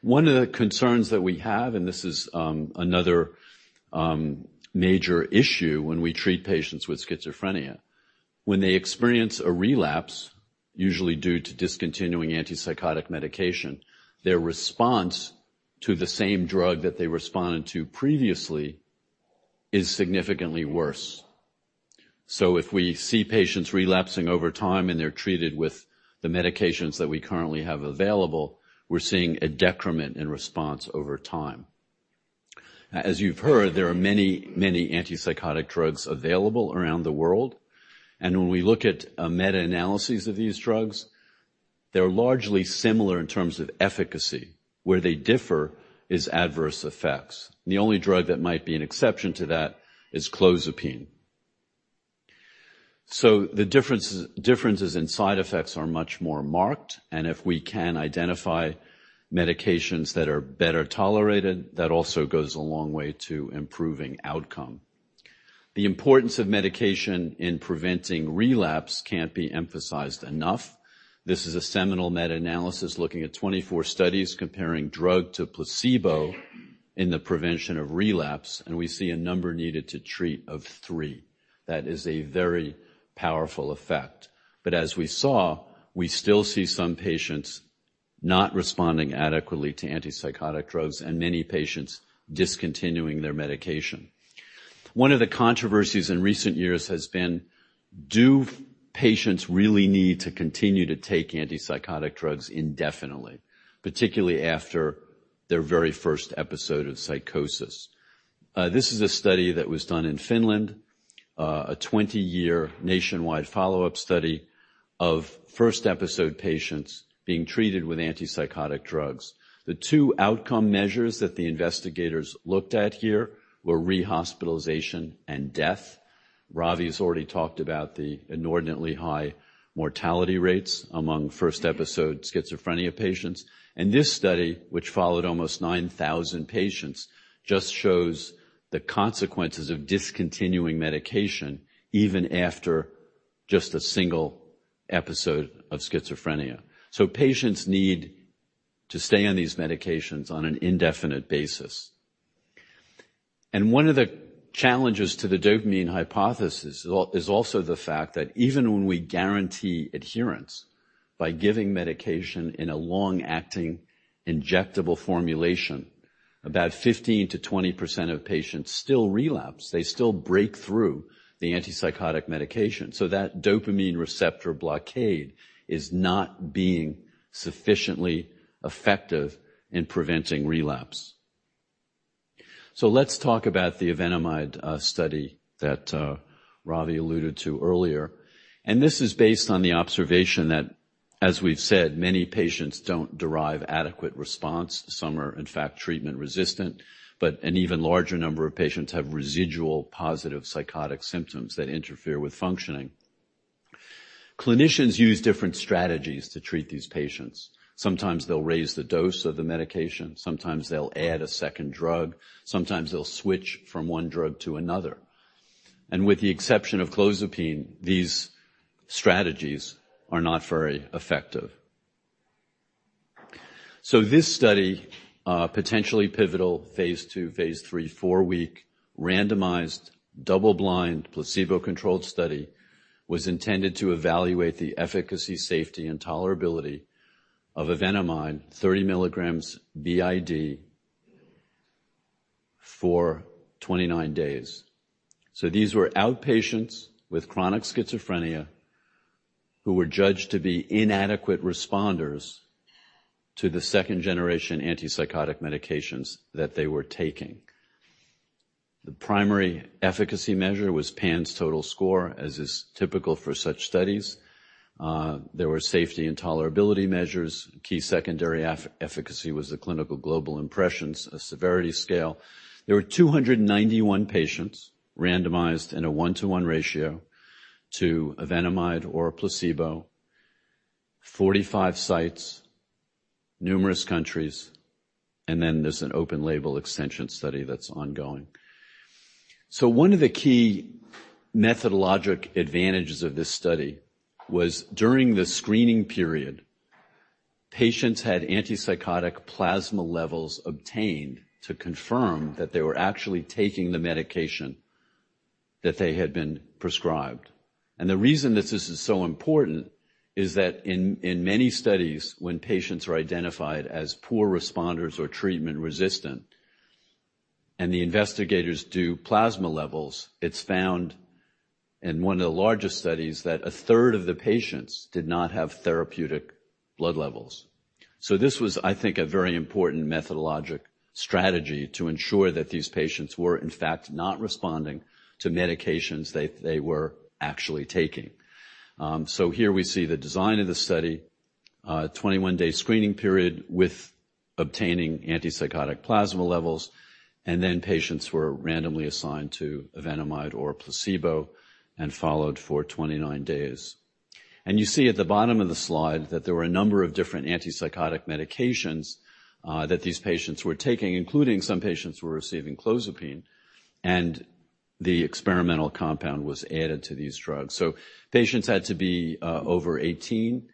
One of the concerns that we have, and this is another major issue when we treat patients with schizophrenia, when they experience a relapse, usually due to discontinuing antipsychotic medication, their response to the same drug that they responded to previously is significantly worse. If we see patients relapsing over time and they are treated with the medications that we currently have available, we are seeing a decrement in response over time. As you have heard, there are many antipsychotic drugs available around the world, and when we look at a meta-analysis of these drugs, they are largely similar in terms of efficacy. Where they differ is adverse effects. The only drug that might be an exception to that is clozapine. The differences in side effects are much more marked, and if we can identify medications that are better tolerated, that also goes a long way to improving outcome. The importance of medication in preventing relapse cannot be emphasized enough. This is a seminal meta-analysis looking at 24 studies comparing drug to placebo in the prevention of relapse, and we see a number needed to treat of three. That is a very powerful effect. But as we saw, we still see some patients not responding adequately to antipsychotic drugs and many patients discontinuing their medication. One of the controversies in recent years has been, do patients really need to continue to take antipsychotic drugs indefinitely, particularly after their very first episode of psychosis? This is a study that was done in Finland. A 20-year nationwide follow-up study of first-episode patients being treated with antipsychotic drugs. The two outcome measures that the investigators looked at here were rehospitalization and death. Ravi has already talked about the inordinately high mortality rates among first-episode schizophrenia patients, and this study, which followed almost 9,000 patients, just shows the consequences of discontinuing medication even after just a single episode of schizophrenia. Patients need to stay on these medications on an indefinite basis. And one of the challenges to the dopamine hypothesis is also the fact that even when we guarantee adherence by giving medication in a long-acting injectable formulation, about 15%-20% of patients still relapse. They still break through the antipsychotic medication. That dopamine receptor blockade is not being sufficiently effective in preventing relapse. Let's talk about the evenamide study that Ravi alluded to earlier, and this is based on the observation that, as we have said, many patients do not derive adequate response. Some are, in fact, treatment resistant, but an even larger number of patients have residual positive psychotic symptoms that interfere with functioning. Clinicians use different strategies to treat these patients. Sometimes they'll raise the dose of the medication. Sometimes they'll add a second drug. Sometimes they'll switch from one drug to another. With the exception of clozapine, these strategies are not very effective. This study, potentially pivotal, phase II, phase III, 4-week randomized double-blind placebo-controlled study, was intended to evaluate the efficacy, safety, and tolerability of evenamide, 30 milligrams BID for 29 days. These were outpatients with chronic schizophrenia who were judged to be inadequate responders to the second-generation antipsychotic medications that they were taking. The primary efficacy measure was PANSS total score, as is typical for such studies. There were safety and tolerability measures. Key secondary efficacy was the Clinical Global Impressions - Severity Scale. There were 291 patients randomized in a 1-to-1 ratio to evenamide or a placebo. 45 sites, numerous countries, there's an open-label extension study that's ongoing. One of the key methodologic advantages of this study was during the screening period, patients had antipsychotic plasma levels obtained to confirm that they were actually taking the medication that they had been prescribed. The reason that this is so important is that in many studies, when patients are identified as poor responders or treatment resistant and the investigators do plasma levels, it's found in one of the largest studies that a third of the patients did not have therapeutic blood levels. This was, I think, a very important methodologic strategy to ensure that these patients were, in fact, not responding to medications they were actually taking. Here we see the design of the study, a 21-day screening period with obtaining antipsychotic plasma levels, patients were randomly assigned to evenamide or a placebo and followed for 29 days. You see at the bottom of the slide that there were a number of different antipsychotic medications that these patients were taking, including some patients who were receiving clozapine, the experimental compound was added to these drugs. Patients had to be over 18,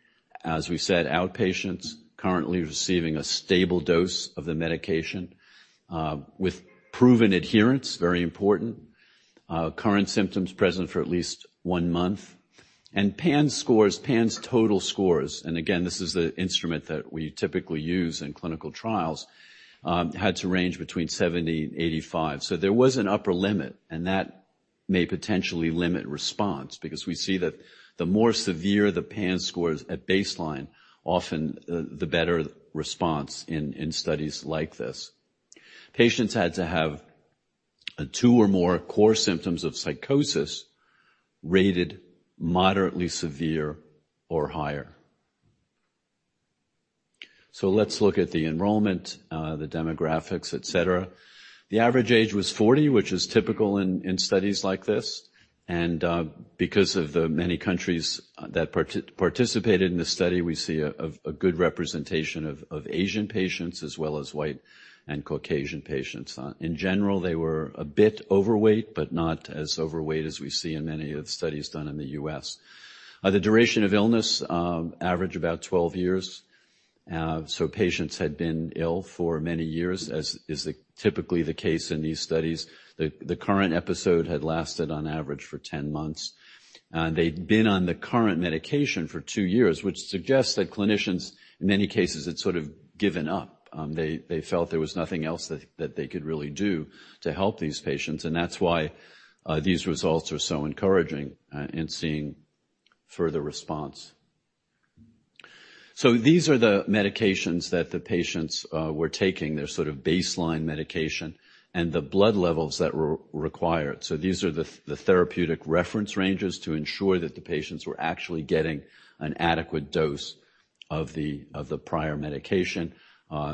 as we've said, outpatients currently receiving a stable dose of the medication with proven adherence, very important. Current symptoms present for at least one month. PANSS scores, PANSS total scores, and again, this is the instrument that we typically use in clinical trials, had to range between 70 and 85. There was an upper limit, and that may potentially limit response because we see that the more severe the PANSS scores at baseline, often the better response in studies like this. Patients had to have two or more core symptoms of psychosis rated moderately severe or higher. Let's look at the enrollment, the demographics, et cetera. The average age was 40, which is typical in studies like this. Because of the many countries that participated in this study, we see a good representation of Asian patients as well as white and Caucasian patients. In general, they were a bit overweight, but not as overweight as we see in many of the studies done in the U.S. The duration of illness, average about 12 years. Patients had been ill for many years, as is typically the case in these studies. The current episode had lasted on average for 10 months. They'd been on the current medication for two years, which suggests that clinicians, in many cases, had sort of given up. They felt there was nothing else that they could really do to help these patients, and that is why these results are so encouraging in seeing further response. These are the medications that the patients were taking, their sort of baseline medication, and the blood levels that were required. These are the therapeutic reference ranges to ensure that the patients were actually getting an adequate dose of the prior medication.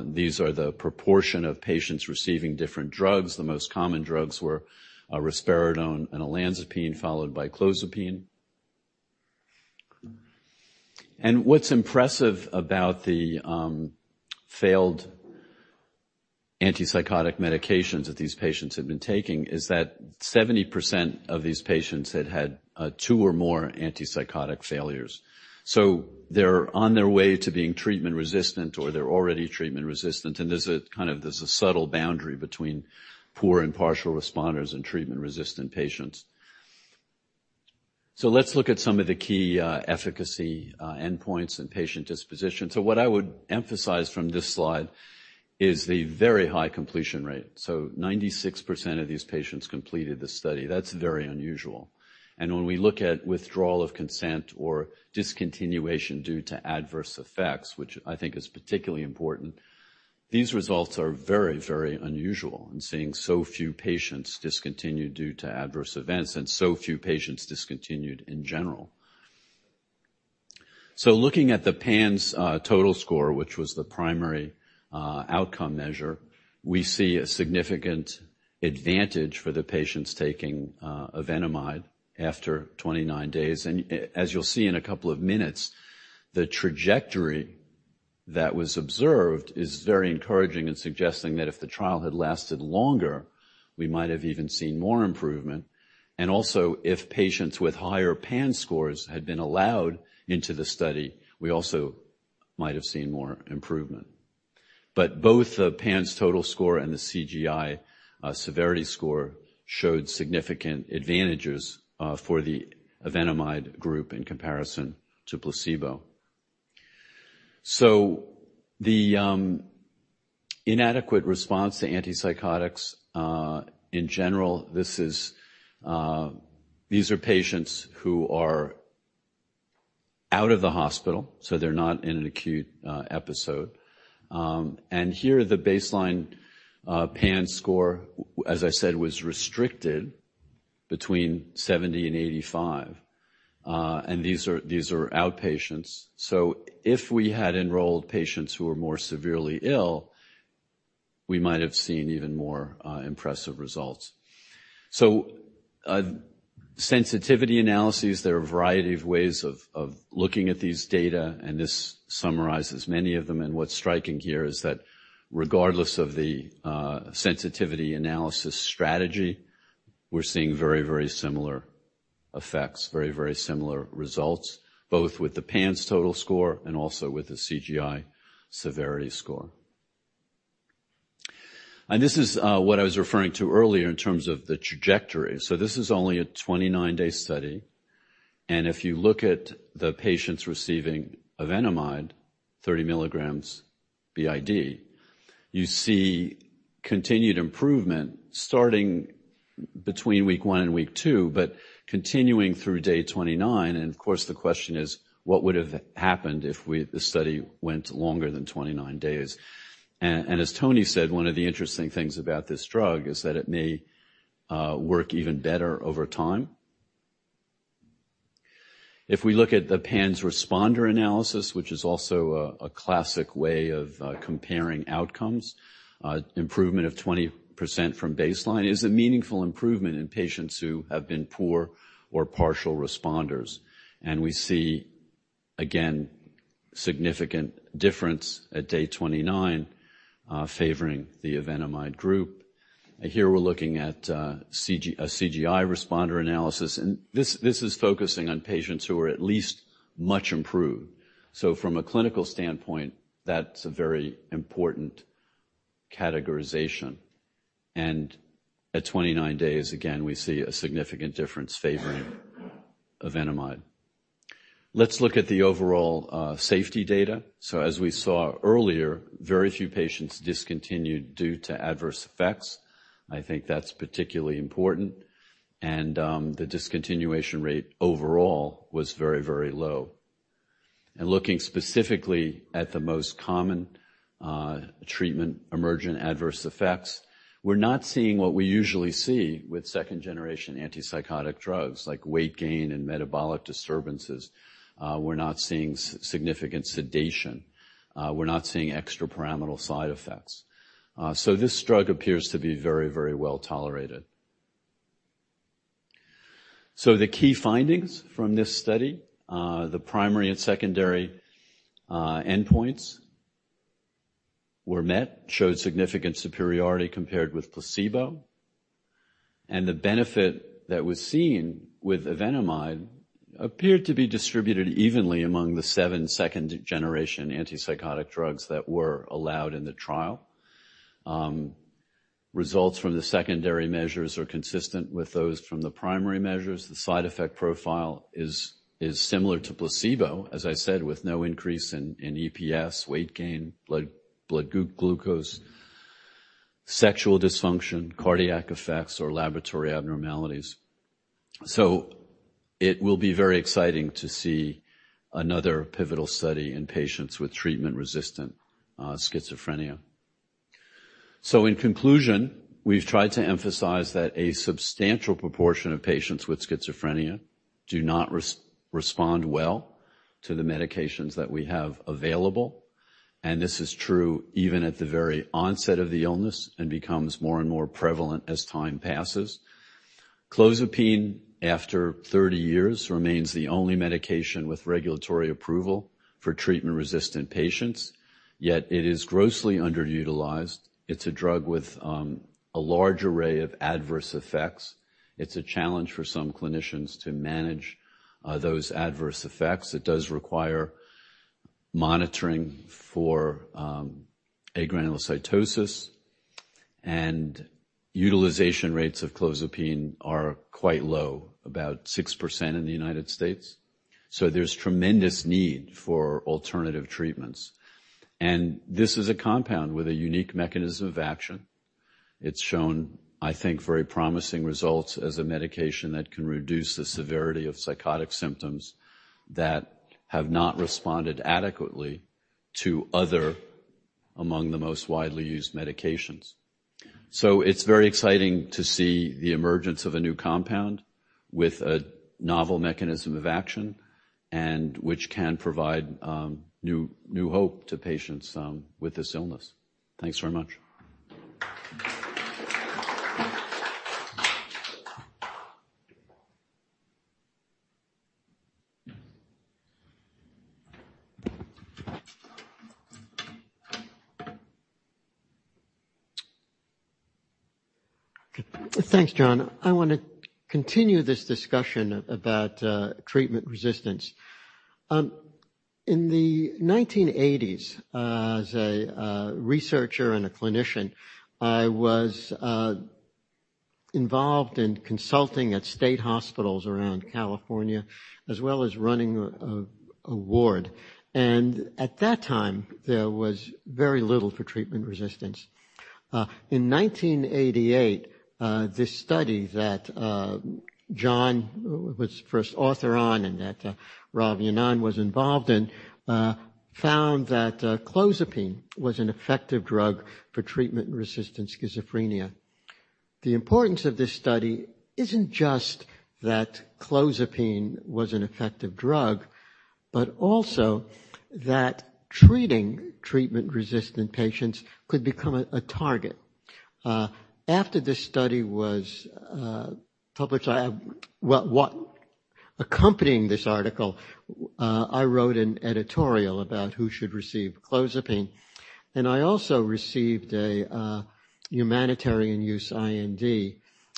These are the proportion of patients receiving different drugs. The most common drugs were risperidone and olanzapine, followed by clozapine. What is impressive about the failed antipsychotic medications that these patients had been taking is that 70% of these patients had had two or more antipsychotic failures. They're on their way to being treatment resistant, or they're already treatment resistant, and there's a subtle boundary between poor and partial responders and treatment-resistant patients. Let's look at some of the key efficacy endpoints and patient disposition. What I would emphasize from this slide is the very high completion rate. 96% of these patients completed the study. That's very unusual. When we look at withdrawal of consent or discontinuation due to adverse effects, which I think is particularly important, these results are very unusual in seeing so few patients discontinue due to adverse events and so few patients discontinued in general. Looking at the PANSS Total score, which was the primary outcome measure, we see a significant advantage for the patients taking evenamide after 29 days. As you'll see in a couple of minutes, the trajectory that was observed is very encouraging in suggesting that if the trial had lasted longer, we might have even seen more improvement. Also, if patients with higher PANSS scores had been allowed into the study, we also might have seen more improvement. Both the PANSS Total score and the CGI Severity score showed significant advantages for the evenamide group in comparison to placebo. The inadequate response to antipsychotics, in general, these are patients who are out of the hospital, so they're not in an acute episode. Here, the baseline PANSS score, as I said, was restricted between 70 and 85. These are outpatients. If we had enrolled patients who were more severely ill, we might have seen even more impressive results. Sensitivity analyses, there are a variety of ways of looking at these data, and this summarizes many of them. What's striking here is that regardless of the sensitivity analysis strategy, we're seeing very similar effects, very similar results, both with the PANSS Total score and also with the CGI Severity score. This is what I was referring to earlier in terms of the trajectory. This is only a 29-day study. If you look at the patients receiving evenamide 30 milligrams BID, you see continued improvement starting between week one and week two but continuing through day 29. Of course, the question is: what would have happened if the study went longer than 29 days? As Tony said, one of the interesting things about this drug is that it may work even better over time. If we look at the PANSS Responder analysis, which is also a classic way of comparing outcomes, improvement of 20% from baseline is a meaningful improvement in patients who have been poor or partial responders. We see, again, significant difference at day 29 favoring the evenamide group. Here, we're looking at a CGI Responder analysis. This is focusing on patients who are at least much improved. From a clinical standpoint, that's a very important categorization. At 29 days, again, we see a significant difference favoring evenamide. Let's look at the overall safety data. As we saw earlier, very few patients discontinued due to adverse effects. I think that's particularly important. The discontinuation rate overall was very low. Looking specifically at the most common treatment-emergent adverse effects, we're not seeing what we usually see with second-generation antipsychotic drugs, like weight gain and metabolic disturbances. We're not seeing significant sedation. We're not seeing extrapyramidal side effects. This drug appears to be very well-tolerated. The key findings from this study, the primary and secondary endpoints were met, showed significant superiority compared with placebo, and the benefit that was seen with evenamide appeared to be distributed evenly among the seven second-generation antipsychotic drugs that were allowed in the trial. Results from the secondary measures are consistent with those from the primary measures. The side effect profile is similar to placebo, as I said, with no increase in EPS, weight gain, blood glucose, sexual dysfunction, cardiac effects, or laboratory abnormalities. It will be very exciting to see another pivotal study in patients with treatment-resistant schizophrenia. In conclusion, we've tried to emphasize that a substantial proportion of patients with schizophrenia do not respond well to the medications that we have available, and this is true even at the very onset of the illness and becomes more and more prevalent as time passes. Clozapine, after 30 years, remains the only medication with regulatory approval for treatment-resistant patients, yet it is grossly underutilized. It's a drug with a large array of adverse effects. It's a challenge for some clinicians to manage those adverse effects. It does require monitoring for agranulocytosis, and utilization rates of clozapine are quite low, about 6% in the United States. There's tremendous need for alternative treatments. This is a compound with a unique mechanism of action. It's shown, I think, very promising results as a medication that can reduce the severity of psychotic symptoms that have not responded adequately to other among the most widely used medications. It's very exciting to see the emergence of a new compound with a novel mechanism of action, and which can provide new hope to patients with this illness. Thanks very much. Thanks, John. I want to continue this discussion about treatment resistance. In the 1980s, as a researcher and a clinician, I was involved in consulting at state hospitals around California, as well as running a ward. At that time, there was very little for treatment resistance. In 1988, this study that John was first author on and that Ravi Anand was involved in, found that clozapine was an effective drug for treatment-resistant schizophrenia. The importance of this study isn't just that clozapine was an effective drug, but also that treating treatment-resistant patients could become a target. After this study was published, accompanying this article, I wrote an editorial about who should receive clozapine, I also received a humanitarian use IND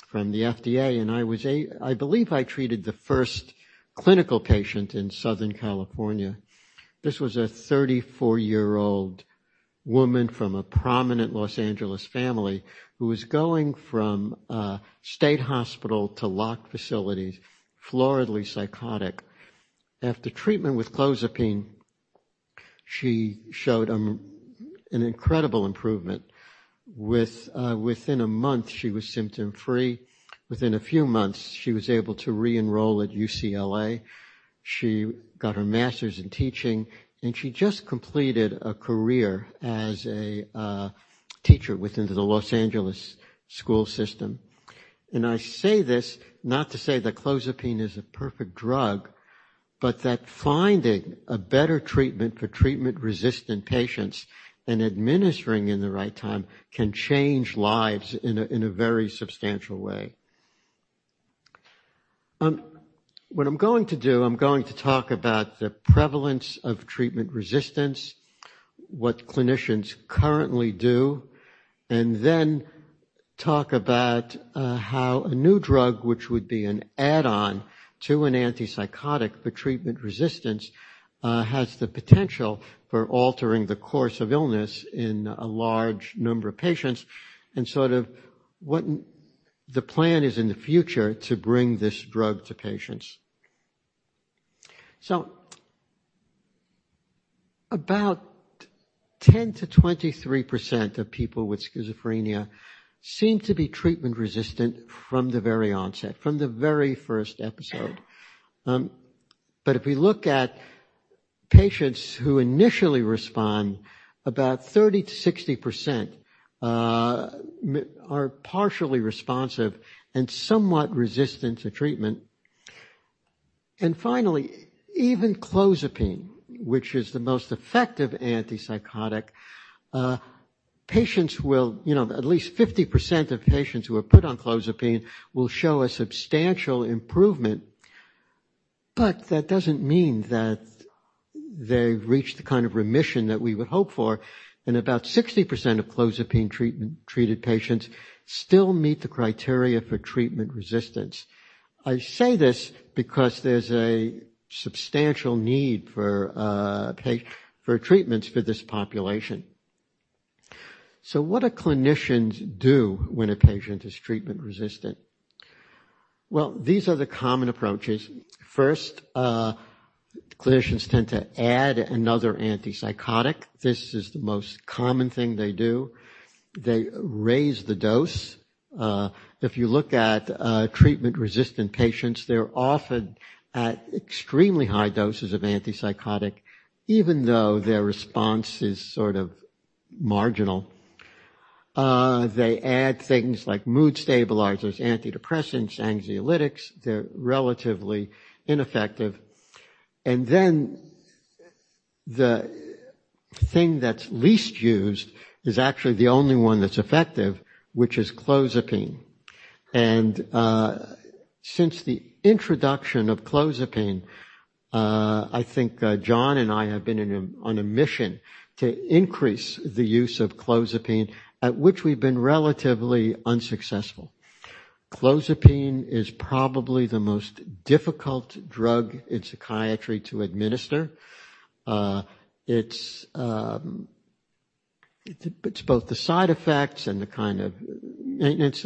from the FDA, and I believe I treated the first clinical patient in Southern California. This was a 34-year-old woman from a prominent L.A. family who was going from state hospital to locked facilities, floridly psychotic. After treatment with clozapine, she showed an incredible improvement. Within a month, she was symptom-free. Within a few months, she was able to re-enroll at UCLA. She got her master's in teaching, and she just completed a career as a teacher within the L.A. school system. I say this not to say that clozapine is a perfect drug, but that finding a better treatment for treatment-resistant patients and administering in the right time can change lives in a very substantial way. What I'm going to do, I'm going to talk about the prevalence of treatment resistance, what clinicians currently do, and then talk about how a new drug, which would be an add-on to an antipsychotic for treatment resistance, has the potential for altering the course of illness in a large number of patients, and sort of what the plan is in the future to bring this drug to patients. About 10%-23% of people with schizophrenia seem to be treatment-resistant from the very onset, from the very first episode. If we look at patients who initially respond, about 30%-60% are partially responsive and somewhat resistant to treatment. Finally, even clozapine, which is the most effective antipsychotic, at least 50% of patients who are put on clozapine will show a substantial improvement. That doesn't mean that they've reached the kind of remission that we would hope for, and about 60% of clozapine-treated patients still meet the criteria for treatment-resistance. I say this because there's a substantial need for treatments for this population. What do clinicians do when a patient is treatment-resistant? Well, these are the common approaches. First, clinicians tend to add another antipsychotic. This is the most common thing they do. They raise the dose. If you look at treatment-resistant patients, they're often at extremely high doses of antipsychotic, even though their response is marginal. They add things like mood stabilizers, antidepressants, anxiolytics. They're relatively ineffective. The thing that's least used is actually the only one that's effective, which is clozapine. Since the introduction of clozapine, I think John and I have been on a mission to increase the use of clozapine, at which we've been relatively unsuccessful. Clozapine is probably the most difficult drug in psychiatry to administer. It's both the side effects and the kind of maintenance.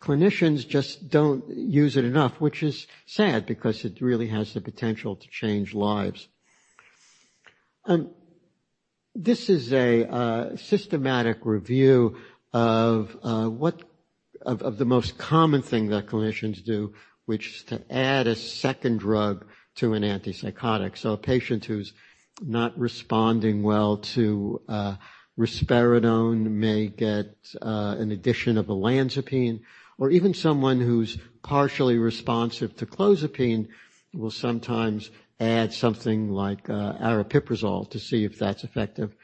Clinicians just don't use it enough, which is sad because it really has the potential to change lives. This is a systematic review of the most common thing that clinicians do, which is to add a second drug to an antipsychotic. A patient who's not responding well to risperidone may get an addition of olanzapine, or even someone who's partially responsive to clozapine will sometimes add something like aripiprazole to see if that's effective.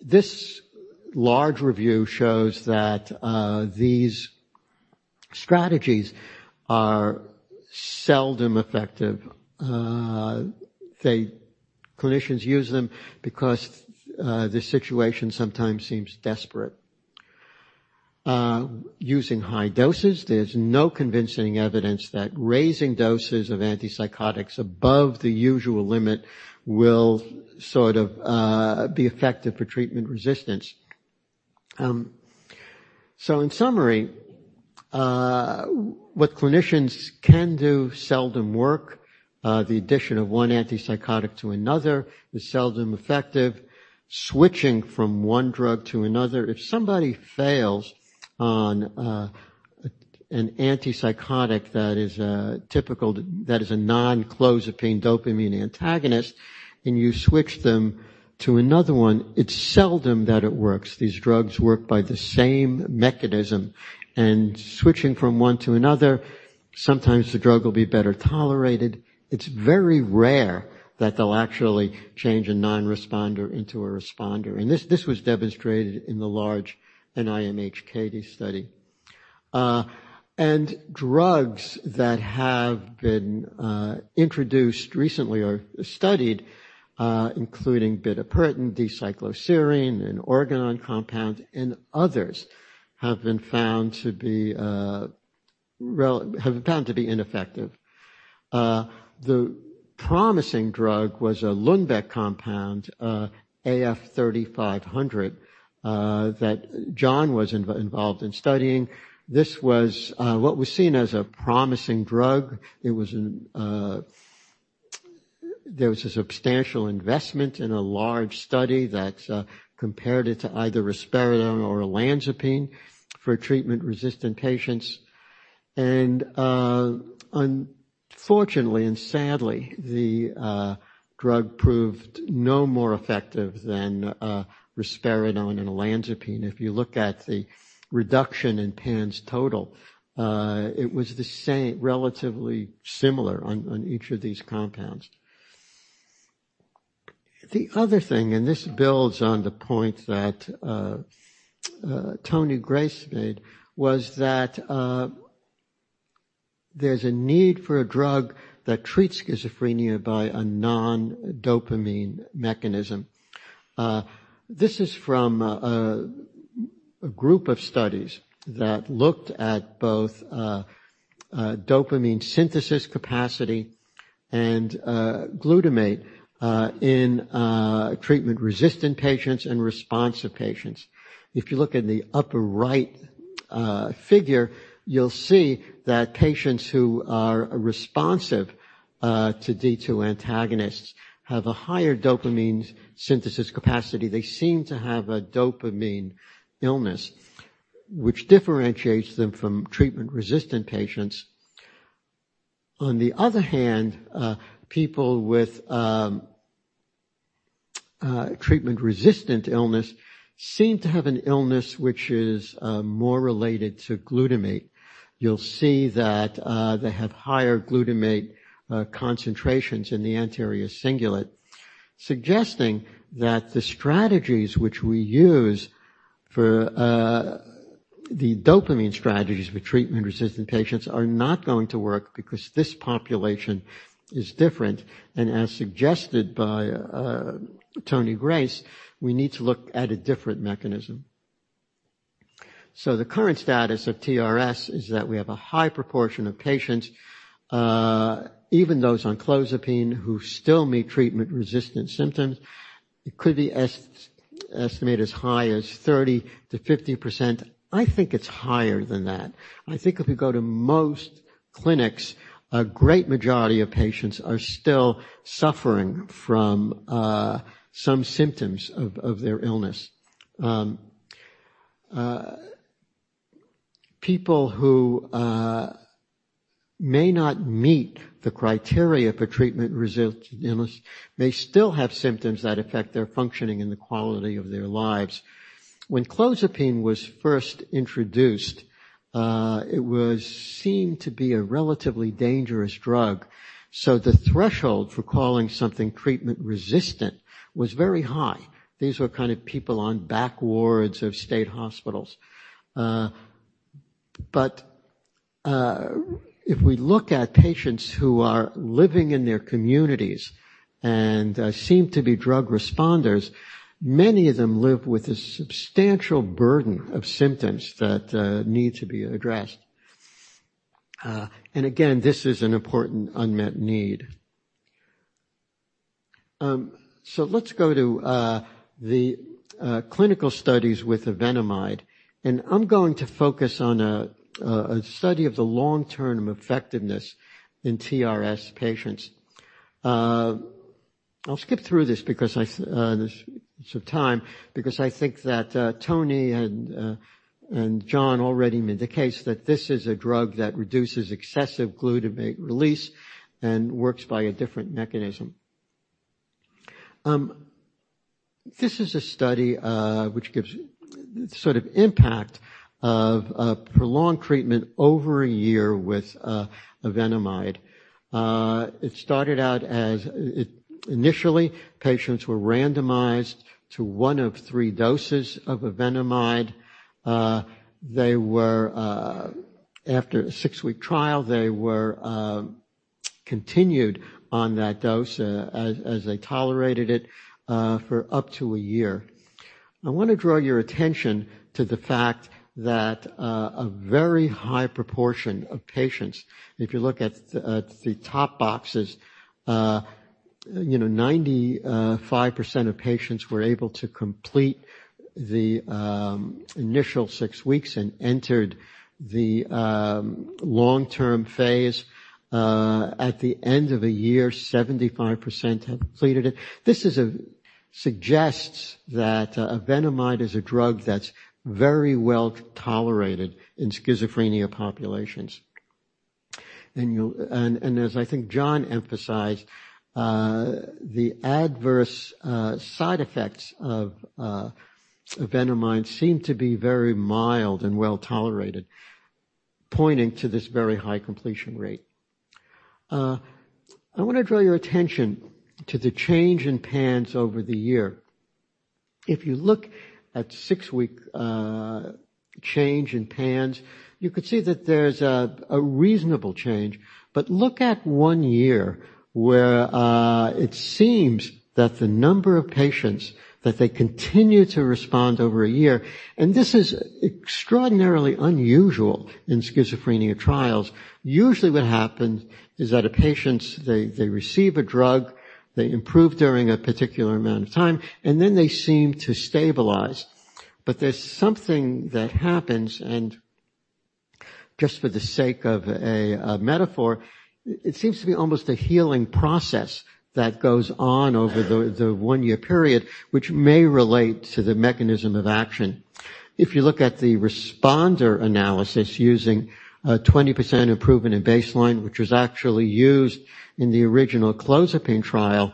This large review shows that these strategies are seldom effective. Clinicians use them because the situation sometimes seems desperate. Using high doses, there's no convincing evidence that raising doses of antipsychotics above the usual limit will be effective for treatment resistance. In summary, what clinicians can do seldom work. The addition of one antipsychotic to another is seldom effective. Switching from one drug to another. If somebody fails on an antipsychotic that is a non-clozapine dopamine antagonist and you switch them to another one, it's seldom that it works. These drugs work by the same mechanism, and switching from one to another, sometimes the drug will be better tolerated. It's very rare that they'll actually change a non-responder into a responder. This was demonstrated in the large NIMH CATIE study. Drugs that have been introduced recently or studied, including bitopertin, D-cycloserine, an Oragen compound, and others, have been found to be ineffective. The promising drug was a Lundbeck compound, AF35700, that John was involved in studying. This was what was seen as a promising drug. There was a substantial investment in a large study that compared it to either risperidone or olanzapine for treatment-resistant patients. Unfortunately, sadly, the drug proved no more effective than risperidone and olanzapine. If you look at the reduction in PANSS Total, it was relatively similar on each of these compounds. The other thing, this builds on the point that Tony Grace made, was that there's a need for a drug that treats schizophrenia by a non-dopamine mechanism. This is from a group of studies that looked at both dopamine synthesis capacity and glutamate in treatment-resistant patients and responsive patients. If you look in the upper right figure, you'll see that patients who are responsive to D2 antagonists have a higher dopamine synthesis capacity. They seem to have a dopamine illness, which differentiates them from treatment-resistant patients. On the other hand, people with treatment-resistant illness seem to have an illness which is more related to glutamate. You'll see that they have higher glutamate concentrations in the anterior cingulate, suggesting that the strategies which we use for the dopamine strategies for treatment-resistant patients are not going to work because this population is different. As suggested by Tony Grace, we need to look at a different mechanism. The current status of TRS is that we have a high proportion of patients, even those on clozapine, who still meet treatment-resistant symptoms. It could be Estimate as high as 30%-50%. I think it's higher than that. I think if we go to most clinics, a great majority of patients are still suffering from some symptoms of their illness. People who may not meet the criteria for treatment-resistant illness may still have symptoms that affect their functioning and the quality of their lives. When clozapine was first introduced, it was seen to be a relatively dangerous drug, the threshold for calling something treatment-resistant was very high. These were people on back wards of state hospitals. If we look at patients who are living in their communities and seem to be drug responders, many of them live with a substantial burden of symptoms that need to be addressed. Again, this is an important unmet need. Let's go to the clinical studies with evenamide, and I'm going to focus on a study of the long-term effectiveness in TRS patients. I'll skip through this because of time, because I think that Tony and John already made the case that this is a drug that reduces excessive glutamate release and works by a different mechanism. This is a study which gives impact of prolonged treatment over a year with evenamide. It started out as initially, patients were randomized to one of three doses of evenamide. After a six-week trial, they were continued on that dose, as they tolerated it, for up to a year. I want to draw your attention to the fact that a very high proportion of patients, if you look at the top boxes, 95% of patients were able to complete the initial six weeks and entered the long-term phase. At the end of a year, 75% had completed it. This suggests that evenamide is a drug that's very well-tolerated in schizophrenia populations. As I think John emphasized, the adverse side effects of evenamide seem to be very mild and well-tolerated, pointing to this very high completion rate. I want to draw your attention to the change in PANSS over the year. If you look at six-week change in PANSS, you could see that there's a reasonable change, but look at one year, where it seems that the number of patients, that they continue to respond over a year. This is extraordinarily unusual in schizophrenia trials. Usually what happens is that a patient, they receive a drug, they improve during a particular amount of time, and then they seem to stabilize. There's something that happens, and just for the sake of a metaphor, it seems to be almost a healing process that goes on over the one-year period, which may relate to the mechanism of action. If you look at the responder analysis using a 20% improvement in baseline, which was actually used in the original clozapine trial,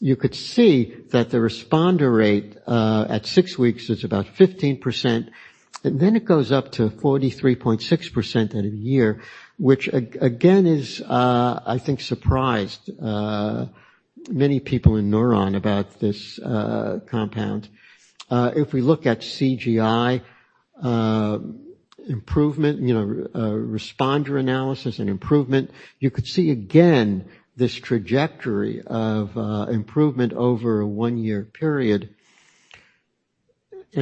you could see that the responder rate at six weeks is about 15%, and then it goes up to 43.6% at a year, which again, has, I think, surprised many people in Newron about this compound. If we look at CGI responder analysis and improvement, you could see again this trajectory of improvement over a one-year period.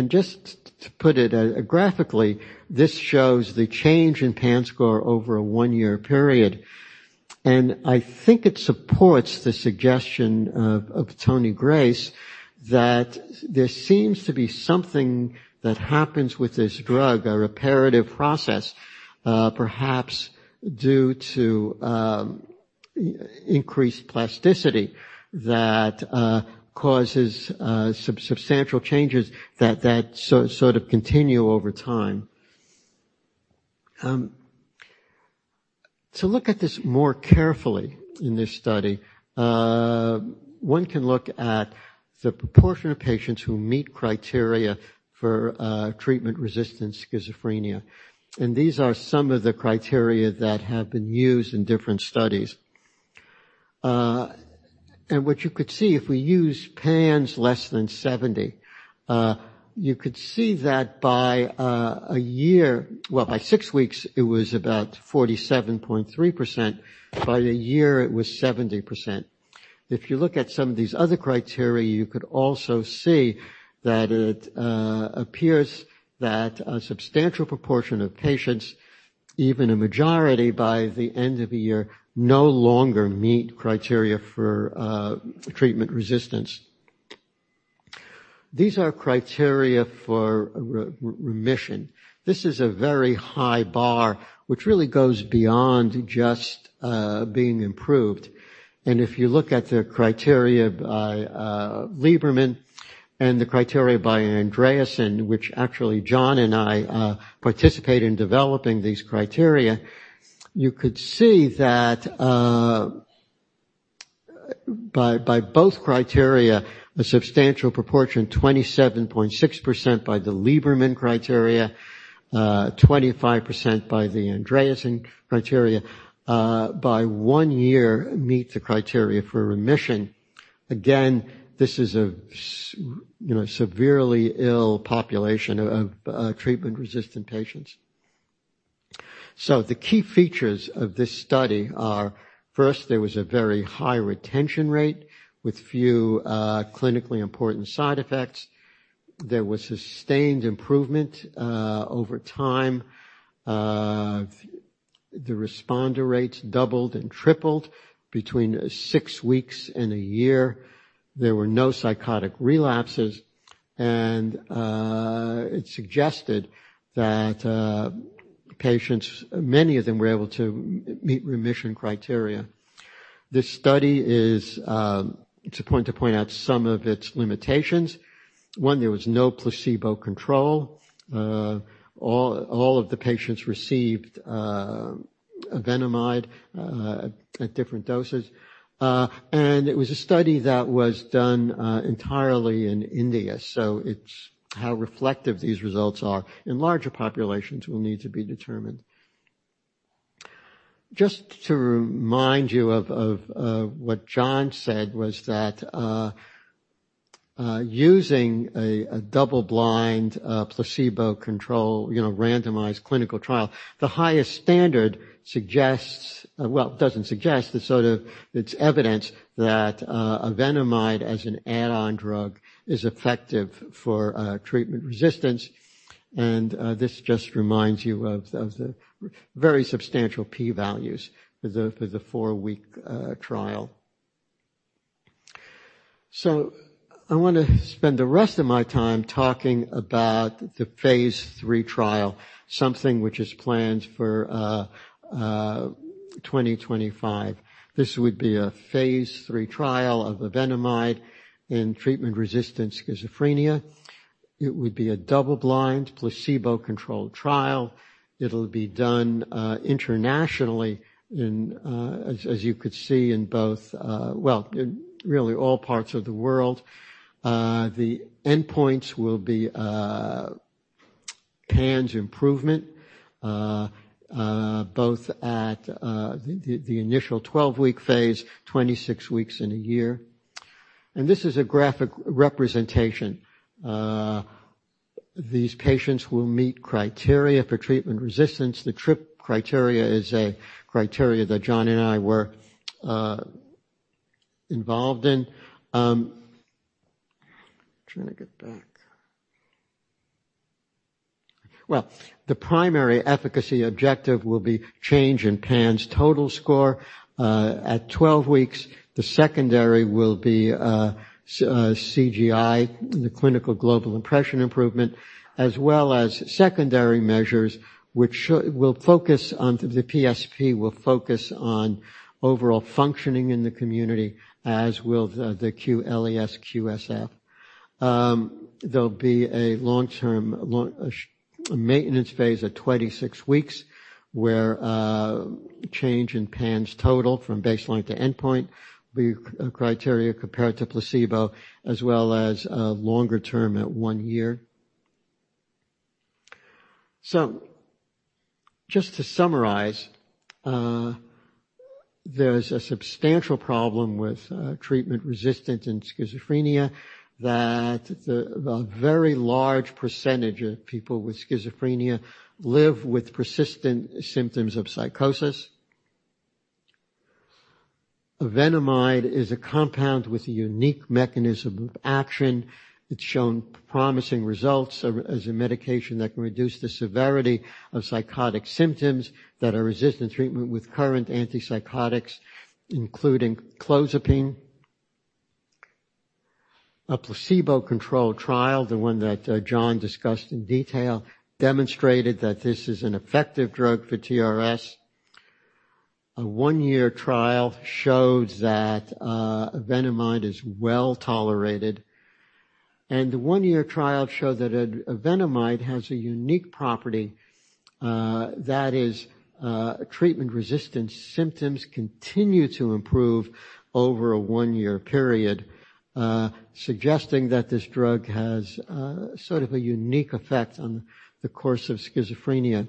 Just to put it graphically, this shows the change in PANSS score over a one-year period. I think it supports the suggestion of Tony Grace that there seems to be something that happens with this drug, a reparative process, perhaps due to increased plasticity, that causes substantial changes that sort of continue over time. To look at this more carefully in this study, one can look at the proportion of patients who meet criteria for treatment-resistant schizophrenia. These are some of the criteria that have been used in different studies. What you could see if we use PANSS less than 70, you could see that by six weeks, it was about 47.3%. By a year, it was 70%. If you look at some of these other criteria, you could also see that it appears that a substantial proportion of patients, even a majority by the end of a year, no longer meet criteria for treatment resistance. These are criteria for remission. This is a very high bar, which really goes beyond just being improved. If you look at the criteria by Lieberman and the criteria by Andreasen, which actually John and I participated in developing these criteria, you could see that by both criteria, a substantial proportion, 27.6% by the Lieberman criteria, 25% by the Andreasen criteria, by one year meet the criteria for remission. Again, this is a severely ill population of treatment-resistant patients. The key features of this study are, first, there was a very high retention rate with few clinically important side effects. There was sustained improvement over time. The responder rates doubled and tripled between six weeks and a year. There were no psychotic relapses, and it suggested that patients, many of them were able to meet remission criteria. It's important to point out some of its limitations. One, there was no placebo control. All of the patients received evenamide at different doses. It was a study that was done entirely in India, so how reflective these results are in larger populations will need to be determined. Just to remind you of what John said was that using a double-blind, placebo-controlled, randomized clinical trial, the highest standard suggests. It doesn't suggest. It's evidence that evenamide as an add-on drug is effective for treatment resistance, and this just reminds you of the very substantial P values for the four-week trial. I want to spend the rest of my time talking about the phase III trial, something which is planned for 2025. This would be a phase III trial of evenamide in treatment-resistant schizophrenia. It would be a double-blind, placebo-controlled trial. It will be done internationally, as you could see, in both, in really all parts of the world. The endpoints will be PANSS improvement, both at the initial 12-week phase, 26 weeks, and a year. This is a graphic representation. These patients will meet criteria for treatment resistance. The TRRIP criteria is a criteria that John and I were involved in. The primary efficacy objective will be change in PANSS total score. At 12 weeks, the secondary will be CGI, the Clinical Global Impressions improvement, as well as secondary measures, the PSP will focus on overall functioning in the community, as will the Q-LES-Q-SF. There will be a long-term maintenance phase at 26 weeks, where change in PANSS total from baseline to endpoint will be a criteria compared to placebo as well as longer term at one year. Just to summarize, there's a substantial problem with treatment resistance in schizophrenia that a very large percentage of people with schizophrenia live with persistent symptoms of psychosis. Evenamide is a compound with a unique mechanism of action. It's shown promising results as a medication that can reduce the severity of psychotic symptoms that are resistant to treatment with current antipsychotics, including clozapine. A placebo-controlled trial, the one that John discussed in detail, demonstrated that this is an effective drug for TRS. A one-year trial showed that evenamide is well-tolerated, and the one-year trial showed that evenamide has a unique property. That is, treatment-resistant symptoms continue to improve over a one-year period, suggesting that this drug has sort of a unique effect on the course of schizophrenia.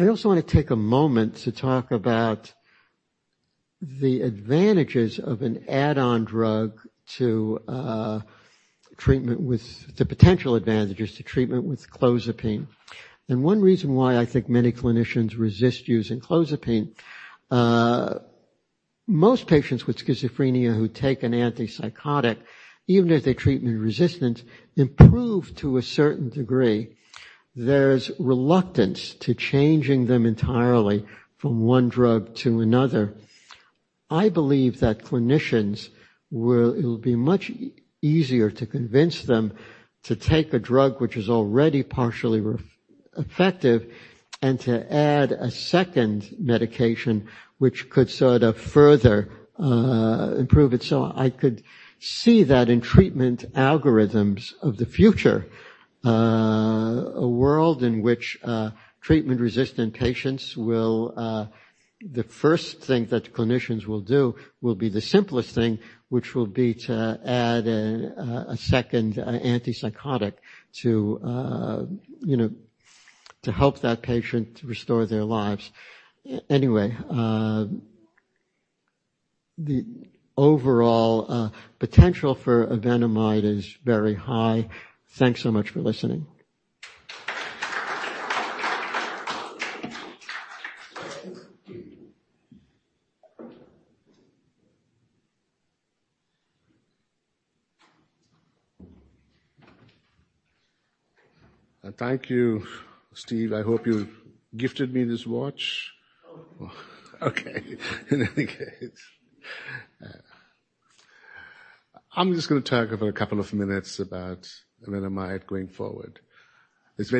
I also want to take a moment to talk about the advantages of an add-on drug to treatment with the potential advantages to treatment with clozapine. One reason why I think many clinicians resist using clozapine, most patients with schizophrenia who take an antipsychotic, even if they're treatment resistant, improve to a certain degree. There's reluctance to changing them entirely from one drug to another. I believe that clinicians, it'll be much easier to convince them to take a drug which is already partially effective, and to add a second medication, which could sort of further improve it. I could see that in treatment algorithms of the future, a world in which treatment-resistant patients, the first thing that clinicians will do will be the simplest thing, which will be to add a second antipsychotic to help that patient restore their lives. The overall potential for evenamide is very high. Thanks so much for listening. Thank you, Steve. I hope you gifted me this watch. Oh. Okay. In any case. I am just going to talk for a couple of minutes about evenamide going forward. It is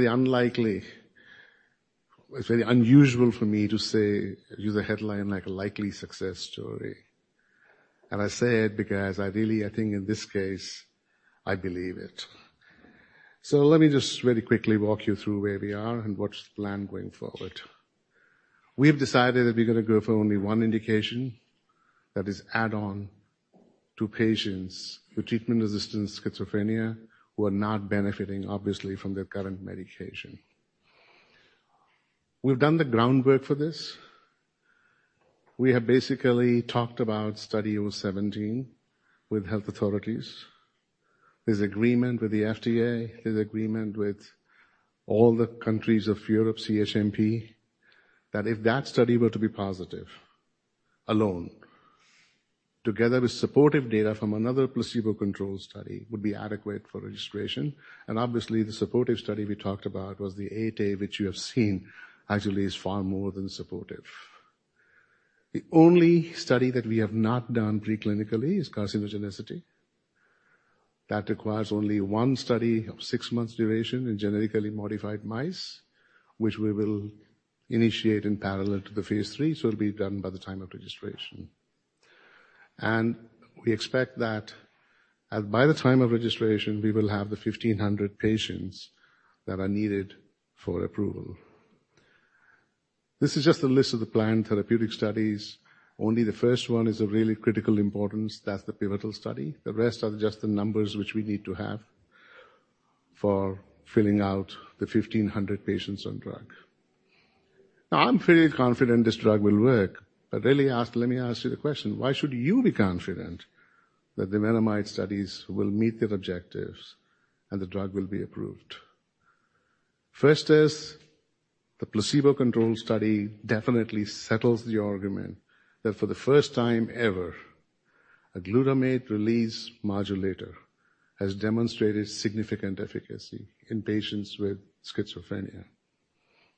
very unusual for me to use a headline like likely success story. I say it because, ideally, I think in this case, I believe it. Let me just very quickly walk you through where we are and what is the plan going forward. We have decided that we are going to go for only one indication, that is add-on to patients with treatment-resistant schizophrenia who are not benefiting, obviously, from their current medication. We have done the groundwork for this. We have basically talked about Study 017 with health authorities. There is agreement with the FDA. There is agreement with all the countries of Europe CHMP, that if that study were to be positive alone, together with supportive data from another placebo-controlled study, would be adequate for registration. Obviously, the supportive study we talked about was the eight-day, which you have seen actually is far more than supportive. The only study that we have not done preclinically is carcinogenicity. That requires only one study of six months duration in genetically modified mice, which we will initiate in parallel to the phase III, so it will be done by the time of registration. We expect that by the time of registration, we will have the 1,500 patients that are needed for approval. This is just a list of the planned therapeutic studies. Only the first one is of really critical importance. That is the pivotal study. The rest are just the numbers which we need to have for filling out the 1,500 patients on drug. Now, I am fairly confident this drug will work, but let me ask you the question: why should you be confident that the evenamide studies will meet their objectives and the drug will be approved? First is the placebo-controlled study definitely settles the argument that for the first time ever, a glutamate release modulator has demonstrated significant efficacy in patients with schizophrenia.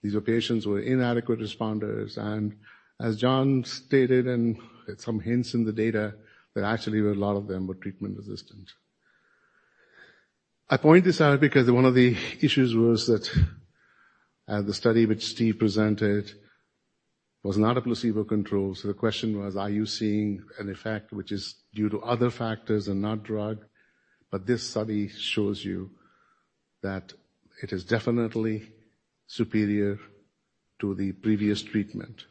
These were patients who were inadequate responders, and as John stated, and some hints in the data, that actually a lot of them were treatment-resistant. I point this out because one of the issues was that the study which Steve presented was not a placebo-controlled. The question was: are you seeing an effect which is due to other factors and not drug? This study shows you that it is definitely superior to the previous treatment.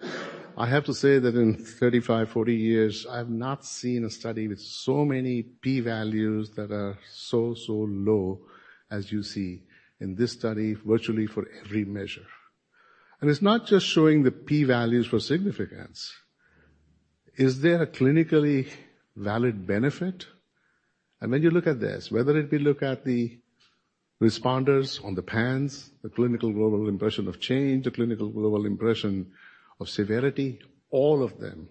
I have to say that in 35, 40 years, I have not seen a study with so many P values that are so low as you see in this study, virtually for every measure. It is not just showing the P values for significance. Is there a clinically valid benefit? When you look at this, whether it be look at the responders on the PANSS, the Clinical Global Impression of Change, the Clinical Global Impression of Severity, all of them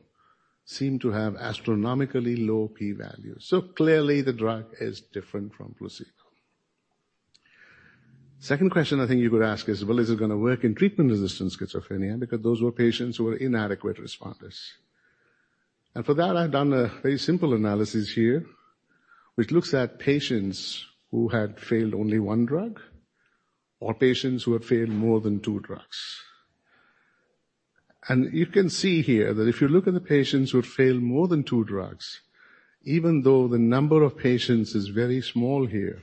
seem to have astronomically low P values. Clearly, the drug is different from placebo. Second question I think you could ask is: well, is it going to work in treatment-resistant schizophrenia? Because those were patients who were inadequate responders. For that, I've done a very simple analysis here, which looks at patients who had failed only one drug or patients who had failed more than two drugs. You can see here that if you look at the patients who have failed more than two drugs, even though the number of patients is very small here,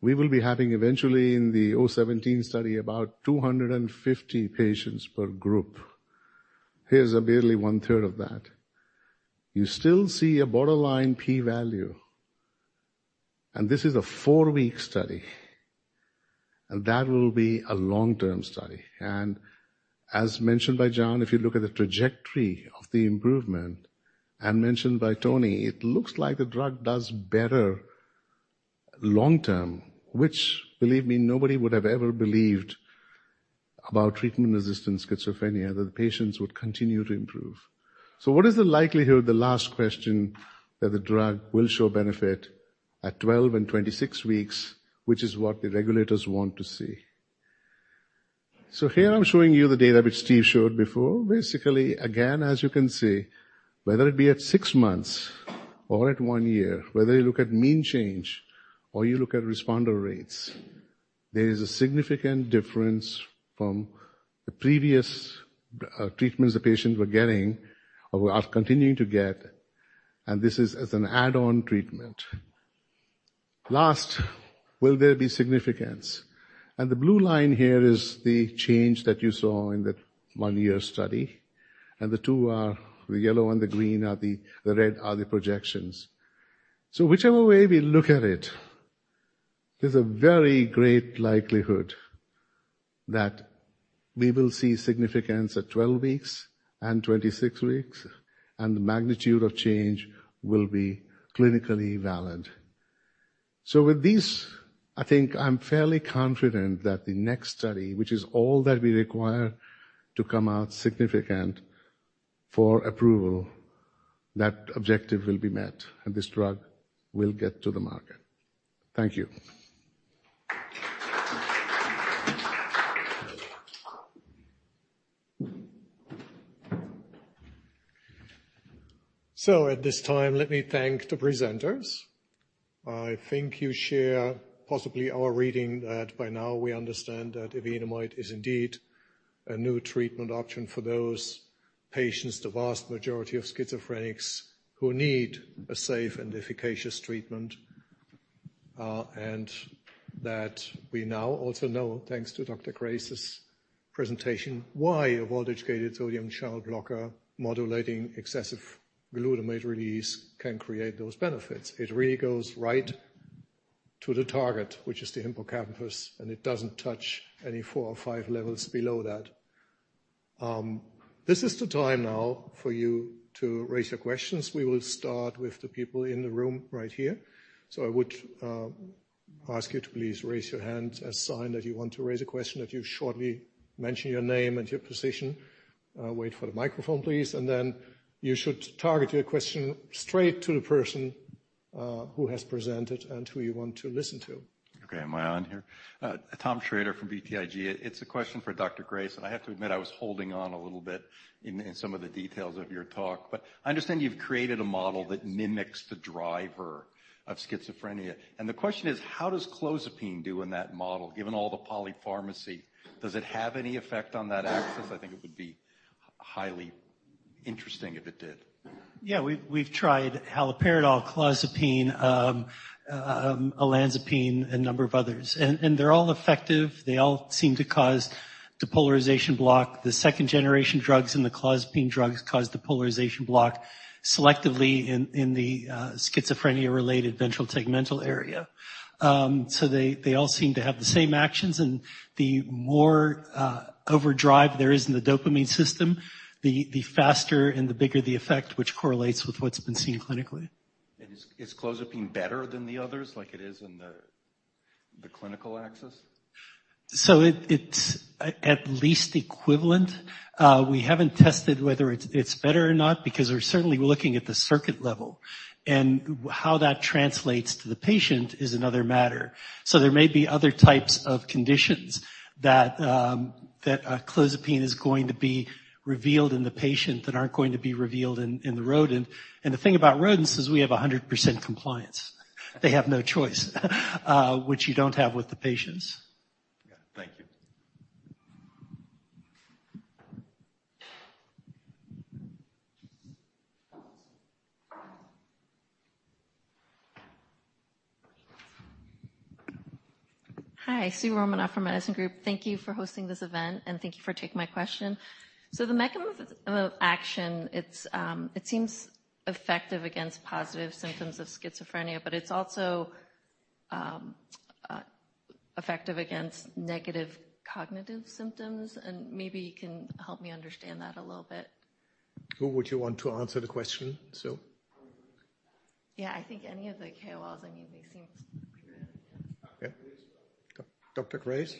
we will be having eventually in the 017 study, about 250 patients per group. Here's barely one-third of that. You still see a borderline P value, and this is a four-week study. That will be a long-term study. As mentioned by John, if you look at the trajectory of the improvement, and mentioned by Tony, it looks like the drug does better long term, which believe me, nobody would have ever believed about treatment-resistant schizophrenia, that the patients would continue to improve. What is the likelihood, the last question, that the drug will show benefit at 12 and 26 weeks, which is what the regulators want to see? Here, I'm showing you the data which Steve showed before. Basically, again, as you can see, whether it be at six months or at one year, whether you look at mean change or you look at responder rates, there is a significant difference from the previous treatments the patients were getting or are continuing to get, and this is as an add-on treatment. Last, will there be significance? The blue line here is the change that you saw in the one-year study, and the two are the yellow and the green are the red are the projections. Whichever way we look at it, there's a very great likelihood that we will see significance at 12 weeks and 26 weeks, and the magnitude of change will be clinically valid. With this, I think I'm fairly confident that the next study, which is all that we require to come out significant for approval, that objective will be met, and this drug will get to the market. Thank you. At this time, let me thank the presenters. I think you share possibly our reading that by now we understand that evenamide is indeed a new treatment option for those patients, the vast majority of schizophrenics, who need a safe and efficacious treatment. That we now also know, thanks to Dr. Grace's presentation, why a voltage-gated sodium channel blocker modulating excessive glutamate release can create those benefits. It really goes right to the target, which is the hippocampus, and it doesn't touch any four or five levels below that. This is the time now for you to raise your questions. We will start with the people in the room right here. I would ask you to please raise your hand as sign that you want to raise a question, that you shortly mention your name and your position. Wait for the microphone, please. You should target your question straight to the person who has presented and who you want to listen to. Okay. Am I on here? Thomas Shrader from BTIG. It's a question for Dr. Grace. I have to admit, I was holding on a little bit in some of the details of your talk. I understand you've created a model that mimics the driver of schizophrenia. The question is, how does clozapine do in that model, given all the polypharmacy? Does it have any effect on that axis? I think it would be highly interesting if it did. Yeah. We've tried haloperidol, clozapine, olanzapine, and a number of others. They're all effective. They all seem to cause depolarization block. The second-generation drugs and the clozapine drugs cause depolarization block selectively in the schizophrenia-related ventral tegmental area. They all seem to have the same actions, and the more overdrive there is in the dopamine system, the faster and the bigger the effect, which correlates with what's been seen clinically. Is clozapine better than the others like it is in the clinical axis? It's at least equivalent. We haven't tested whether it's better or not because we're certainly looking at the circuit level, and how that translates to the patient is another matter. There may be other types of conditions that clozapine is going to be revealed in the patient that aren't going to be revealed in the rodent. The thing about rodents is we have 100% compliance. They have no choice, which you don't have with the patients. Yeah. Thank you. Hi. Soo Romanoff from Edison Group. Thank you for hosting this event, and thank you for taking my question. The mechanism of action, it seems effective against positive symptoms of schizophrenia, but it's also effective against negative cognitive symptoms, and maybe you can help me understand that a little bit. Who would you want to answer the question, Soo? I think any of the KOLs. I mean, they seem pretty good, yeah. Dr. Grace?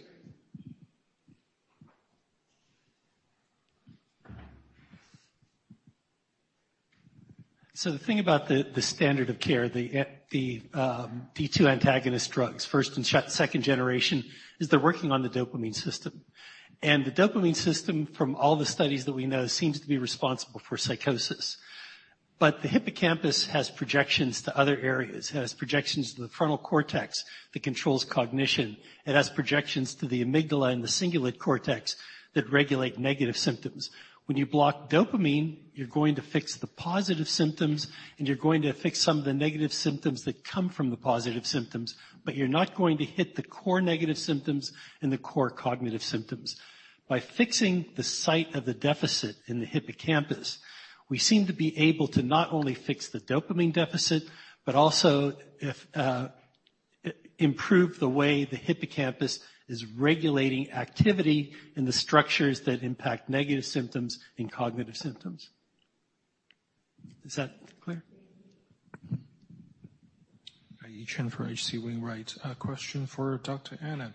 The thing about the standard of care, the D2 antagonist drugs, first and second generation, is they're working on the dopamine system, the dopamine system, from all the studies that we know, seems to be responsible for psychosis. The hippocampus has projections to other areas. It has projections to the frontal cortex that controls cognition. It has projections to the amygdala and the cingulate cortex that regulate negative symptoms. When you block dopamine, you're going to fix the positive symptoms, you're going to fix some of the negative symptoms that come from the positive symptoms, you're not going to hit the core negative symptoms and the core cognitive symptoms. By fixing the site of the deficit in the hippocampus, we seem to be able to not only fix the dopamine deficit but also improve the way the hippocampus is regulating activity in the structures that impact negative symptoms and cognitive symptoms. Is that clear? Chen from H.C. Wainwright. A question for Dr. Anand.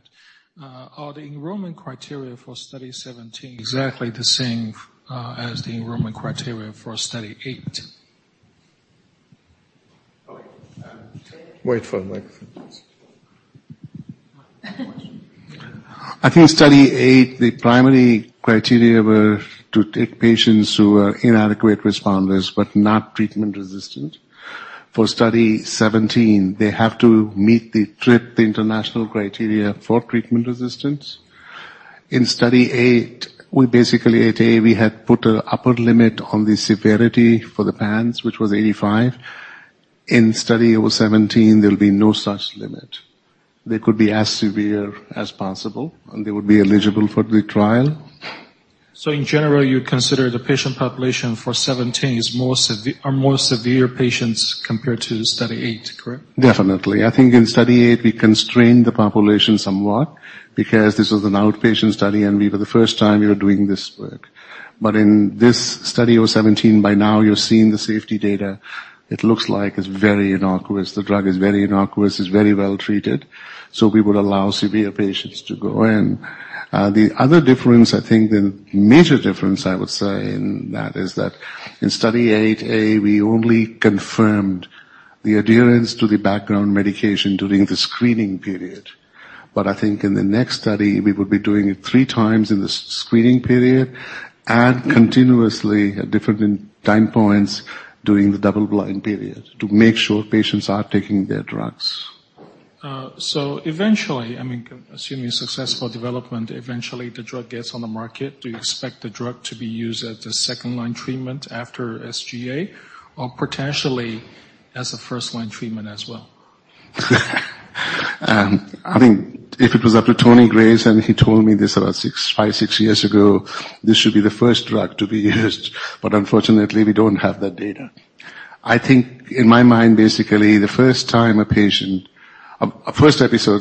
Are the enrollment criteria for Study 017 exactly the same as the enrollment criteria for Study 008? Wait for the microphone. I think Study 008, the primary criteria were to take patients who are inadequate responders but not treatment-resistant. For Study 017, they have to meet the TRRIP, the international criteria for treatment resistance. In Study 008, basically at 008A, we had put an upper limit on the severity for the PANSS, which was 85. In Study 017, there will be no such limit. They could be as severe as possible, and they would be eligible for the trial. In general, you would consider the patient population for 017 are more severe patients compared to Study 008, correct? Definitely. I think in Study 008, we constrained the population somewhat because this was an outpatient study, and for the first time we were doing this work. In this Study 017, by now, you're seeing the safety data. It looks like it's very innocuous. The drug is very innocuous. It's very well-treated. We would allow severe patients to go in. The other difference, I think the major difference, I would say, in that is that in Study 008A, we only confirmed the adherence to the background medication during the screening period. I think in the next study, we would be doing it three times in the screening period and continuously at different time points during the double-blind period to make sure patients are taking their drugs. Eventually, assuming successful development, eventually the drug gets on the market. Do you expect the drug to be used as a second-line treatment after SGA, or potentially as a first-line treatment as well? I think if it was up to Anthony Grace, and he told me this about five, six years ago, this should be the first drug to be used, unfortunately, we don't have that data. I think in my mind, basically, a first-episode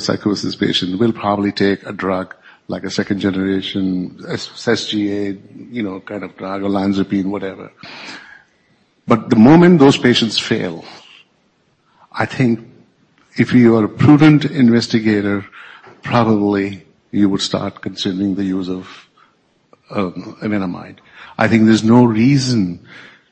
psychosis patient will probably take a drug like a second-generation SGA kind of drug, olanzapine, whatever. The moment those patients fail, I think if you are a prudent investigator, probably you would start considering the use of evenamide. I think there's no reason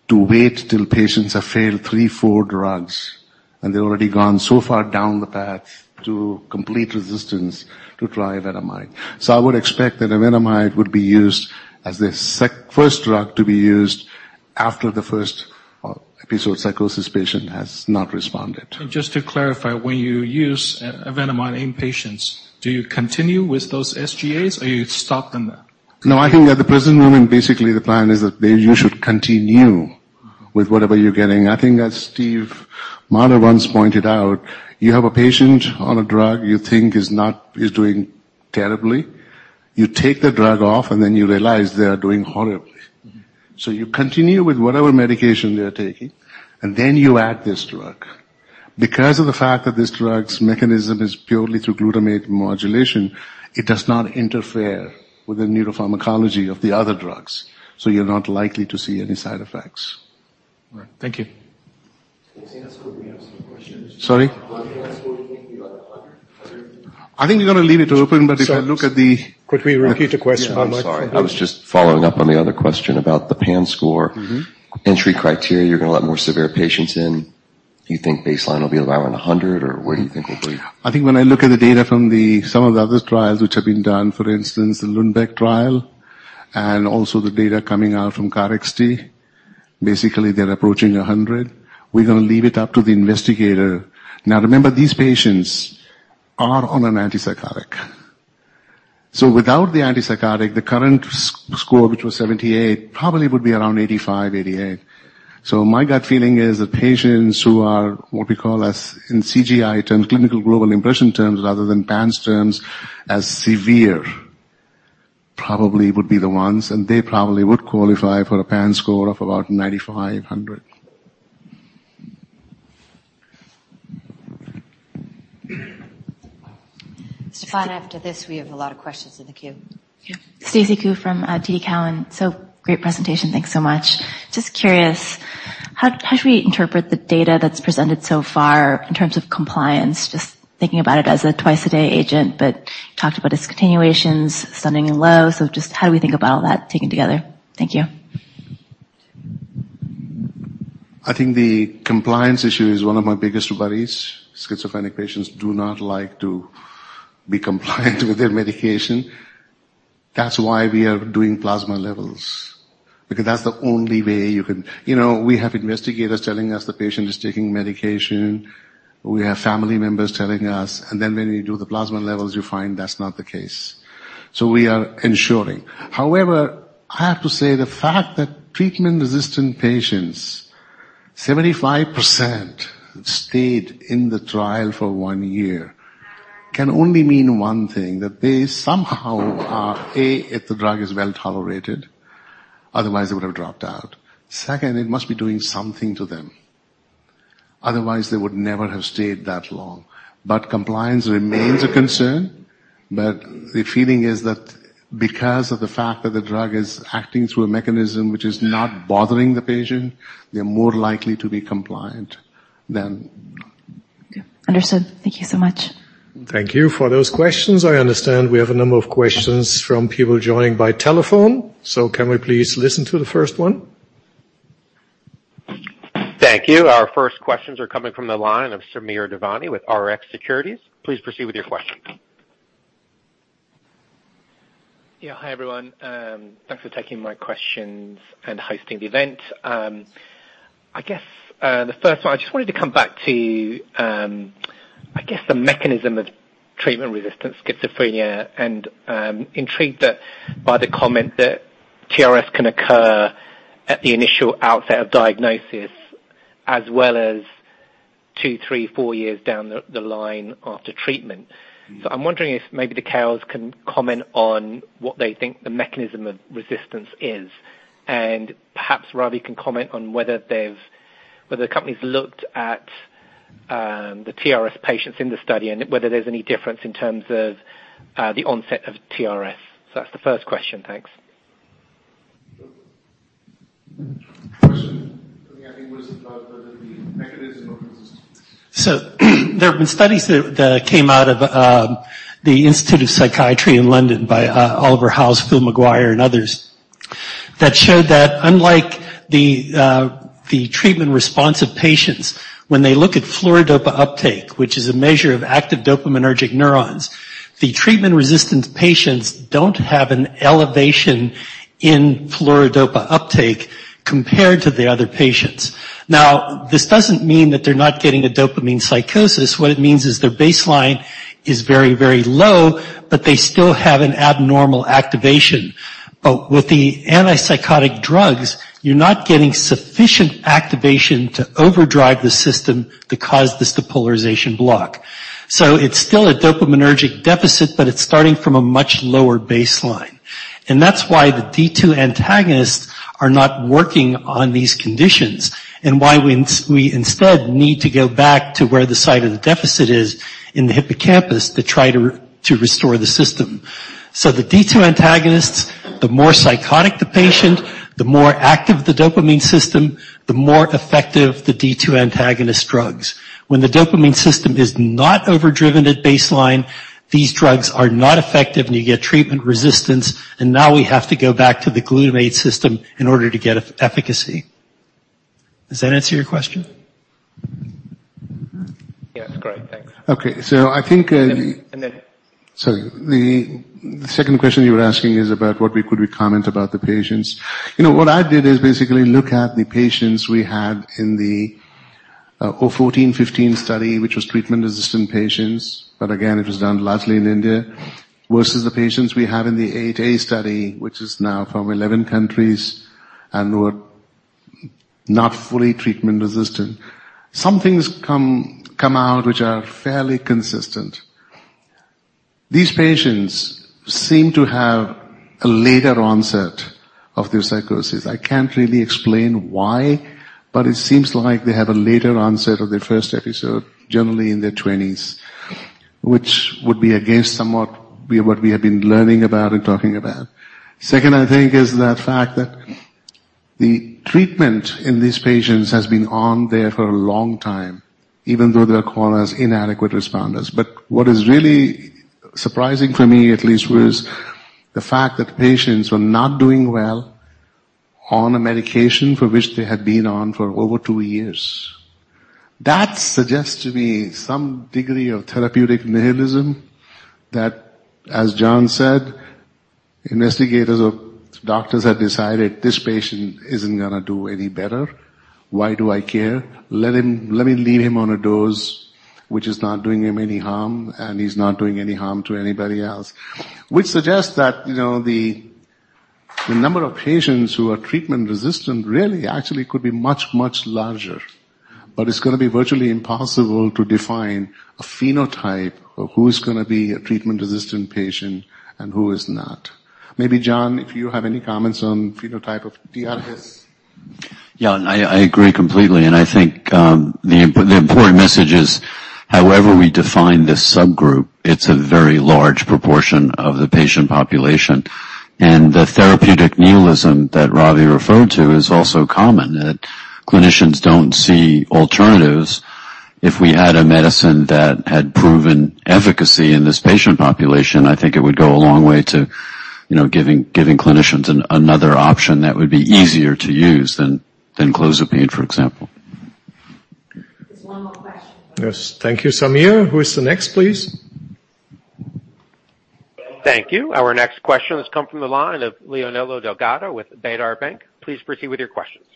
to wait till patients have failed three, four drugs, and they've already gone so far down the path to complete resistance to try evenamide. I would expect that evenamide would be used as the first drug to be used after the first episode psychosis patient has not responded. Just to clarify, when you use evenamide in patients, do you continue with those SGAs, or you stop them? I think at the present moment, basically, the plan is that you should continue with whatever you're getting. I think as Steve Marder once pointed out, you have a patient on a drug you think is doing terribly. You take the drug off, and then you realize they are doing horribly. You continue with whatever medication they are taking, and then you add this drug. Because of the fact that this drug's mechanism is purely through glutamate modulation, it does not interfere with the neuropharmacology of the other drugs. You're not likely to see any side effects. All right. Thank you. Can you ask what we have some questions? Sorry? What score are you thinking about? 100? I think we're going to leave it open, if I look at the- Could we repeat the question on mic for me? Yeah, I'm sorry. I was just following up on the other question about the PANSS score. Entry criteria, you're going to let more severe patients in. Do you think baseline will be around 100, or where do you think we'll be? I think when I look at the data from some of the other trials which have been done, for instance, the Lundbeck trial, and also the data coming out from KarXT, basically, they're approaching 100. We're going to leave it up to the investigator. Remember, these patients are on an antipsychotic. Without the antipsychotic, the current score, which was 78, probably would be around 85, 88. My gut feeling is that patients who are what we call in CGI terms, Clinical Global Impressions terms, rather than PANSS terms, as severe, probably would be the ones, and they probably would qualify for a PANSS score of about 95, 100. Stefan, after this, we have a lot of questions in the queue. Yeah. Stacy Ku from TD Cowen. Great presentation. Thanks so much. Just curious, how should we interpret the data that's presented so far in terms of compliance? Just thinking about it as a twice-a-day agent, talked about discontinuations stunning and low. Just how do we think about all that taken together? Thank you. I think the compliance issue is one of my biggest worries. Schizophrenic patients do not like to be compliant with their medication. That's why we are doing plasma levels because that's the only way you can. We have investigators telling us the patient is taking medication. We have family members telling us, and then when you do the plasma levels, you find that's not the case. We are ensuring. However, I have to say the fact that treatment-resistant patients, 75% stayed in the trial for one year can only mean one thing, that they somehow are, A, if the drug is well-tolerated, otherwise they would have dropped out. Second, it must be doing something to them. Otherwise, they would never have stayed that long. Compliance remains a concern. The feeling is that because of the fact that the drug is acting through a mechanism which is not bothering the patient, they're more likely to be compliant than- Understood. Thank you so much. Thank you for those questions. I understand we have a number of questions from people joining by telephone, can we please listen to the first one? Thank you. Our first questions are coming from the line of Samir Devani with Rx Securities. Please proceed with your question. Yeah. Hi, everyone. Thanks for taking my questions and hosting the event. I guess, the first one, I just wanted to come back to, I guess, the mechanism of treatment-resistant schizophrenia. I'm intrigued by the comment that TRS can occur at the initial outset of diagnosis as well as two, three, four years down the line after treatment. I'm wondering if maybe the KOLs can comment on what they think the mechanism of resistance is. Perhaps Ravi can comment on whether the company's looked at the TRS patients in the study and whether there's any difference in terms of the onset of TRS. That's the first question. Thanks. The question, I think, was about whether the mechanism of resistance. There have been studies that came out of the Institute of Psychiatry in London by Oliver Howes, Phil McGuire, and others, that showed that unlike the treatment-responsive patients, when they look at fluorodopa uptake, which is a measure of active dopaminergic neurons, the treatment-resistant patients don't have an elevation in fluorodopa uptake compared to the other patients. Now, this doesn't mean that they're not getting a dopamine psychosis. What it means is their baseline is very low, but they still have an abnormal activation. With the antipsychotic drugs, you're not getting sufficient activation to overdrive the system to cause this depolarization block. It's still a dopaminergic deficit, but it's starting from a much lower baseline. That's why the D2 antagonists are not working on these conditions, and why we instead need to go back to where the site of the deficit is in the hippocampus to try to restore the system. The D2 antagonists, the more psychotic the patient, the more active the dopamine system, the more effective the D2 antagonist drugs. When the dopamine system is not overdriven at baseline, these drugs are not effective, and you get treatment resistance, and now we have to go back to the glutamate system in order to get efficacy. Does that answer your question? Yeah, it's great. Thanks. Okay. I think, sorry. The second question you were asking is about what we could comment about the patients. What I did is basically look at the patients we had in the study 014/015, which was treatment-resistant patients, but again, it was done largely in India, versus the patients we had in the Study 008A, which is now from 11 countries and were not fully treatment-resistant. Some things come out which are fairly consistent. These patients seem to have a later onset of their psychosis. I can't really explain why, but it seems like they have a later onset of their first episode, generally in their twenties, which would be against somewhat what we have been learning about and talking about. Second, I think, is that fact that the treatment in these patients has been on there for a long time, even though they are called as inadequate responders. What is really surprising for me, at least, was the fact that patients were not doing well on a medication for which they had been on for over two years. That suggests to me some degree of therapeutic nihilism that, as John said, investigators or doctors have decided this patient isn't going to do any better. Why do I care? Let me leave him on a dose which is not doing him any harm, and he's not doing any harm to anybody else. Which suggests that the number of patients who are treatment-resistant really actually could be much, much larger. It's going to be virtually impossible to define a phenotype of who's going to be a treatment-resistant patient and who is not. Maybe John, if you have any comments on phenotype of TRS. Yeah. I agree completely, and I think the important message is however we define this subgroup, it's a very large proportion of the patient population. The therapeutic nihilism that Ravi referred to is also common, that clinicians don't see alternatives. If we had a medicine that had proven efficacy in this patient population, I think it would go a long way to giving clinicians another option that would be easier to use than clozapine, for example. Just one more question. Yes. Thank you, Samir. Who is the next, please? Thank you. Our next question has come from the line of Leonildo Delgado with Baader Bank. Please proceed with your questions.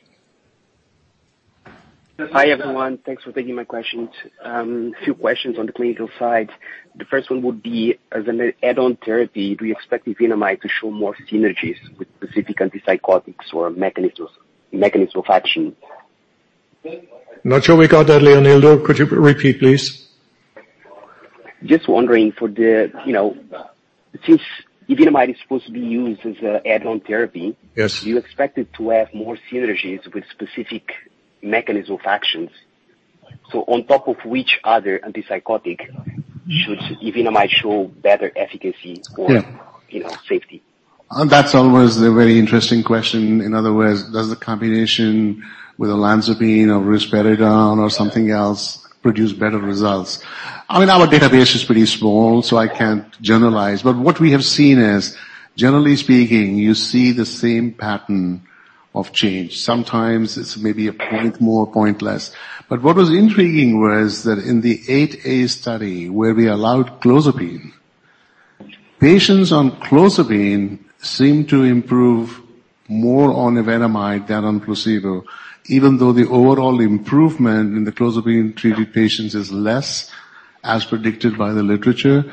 Hi, everyone. Thanks for taking my questions. A few questions on the clinical side. The first one would be, as an add-on therapy, do you expect evenamide to show more synergies with specific antipsychotics or mechanism of action? Not sure we got that, Leonildo. Could you repeat, please? Just wondering since evenamide is supposed to be used as an add-on therapy- Yes do you expect it to have more synergies with specific mechanism of actions? On top of which other antipsychotic should evenamide show better efficacy or- Yeah safety? That's always a very interesting question. In other words, does the combination with olanzapine or risperidone or something else produce better results? Our database is pretty small, I can't generalize. What we have seen is, generally speaking, you see the same pattern of change. Sometimes it's maybe a point more, a point less. What was intriguing was that in the Study 008A, where we allowed clozapine, patients on clozapine seemed to improve more on evenamide than on placebo, even though the overall improvement in the clozapine treated patients is less, as predicted by the literature.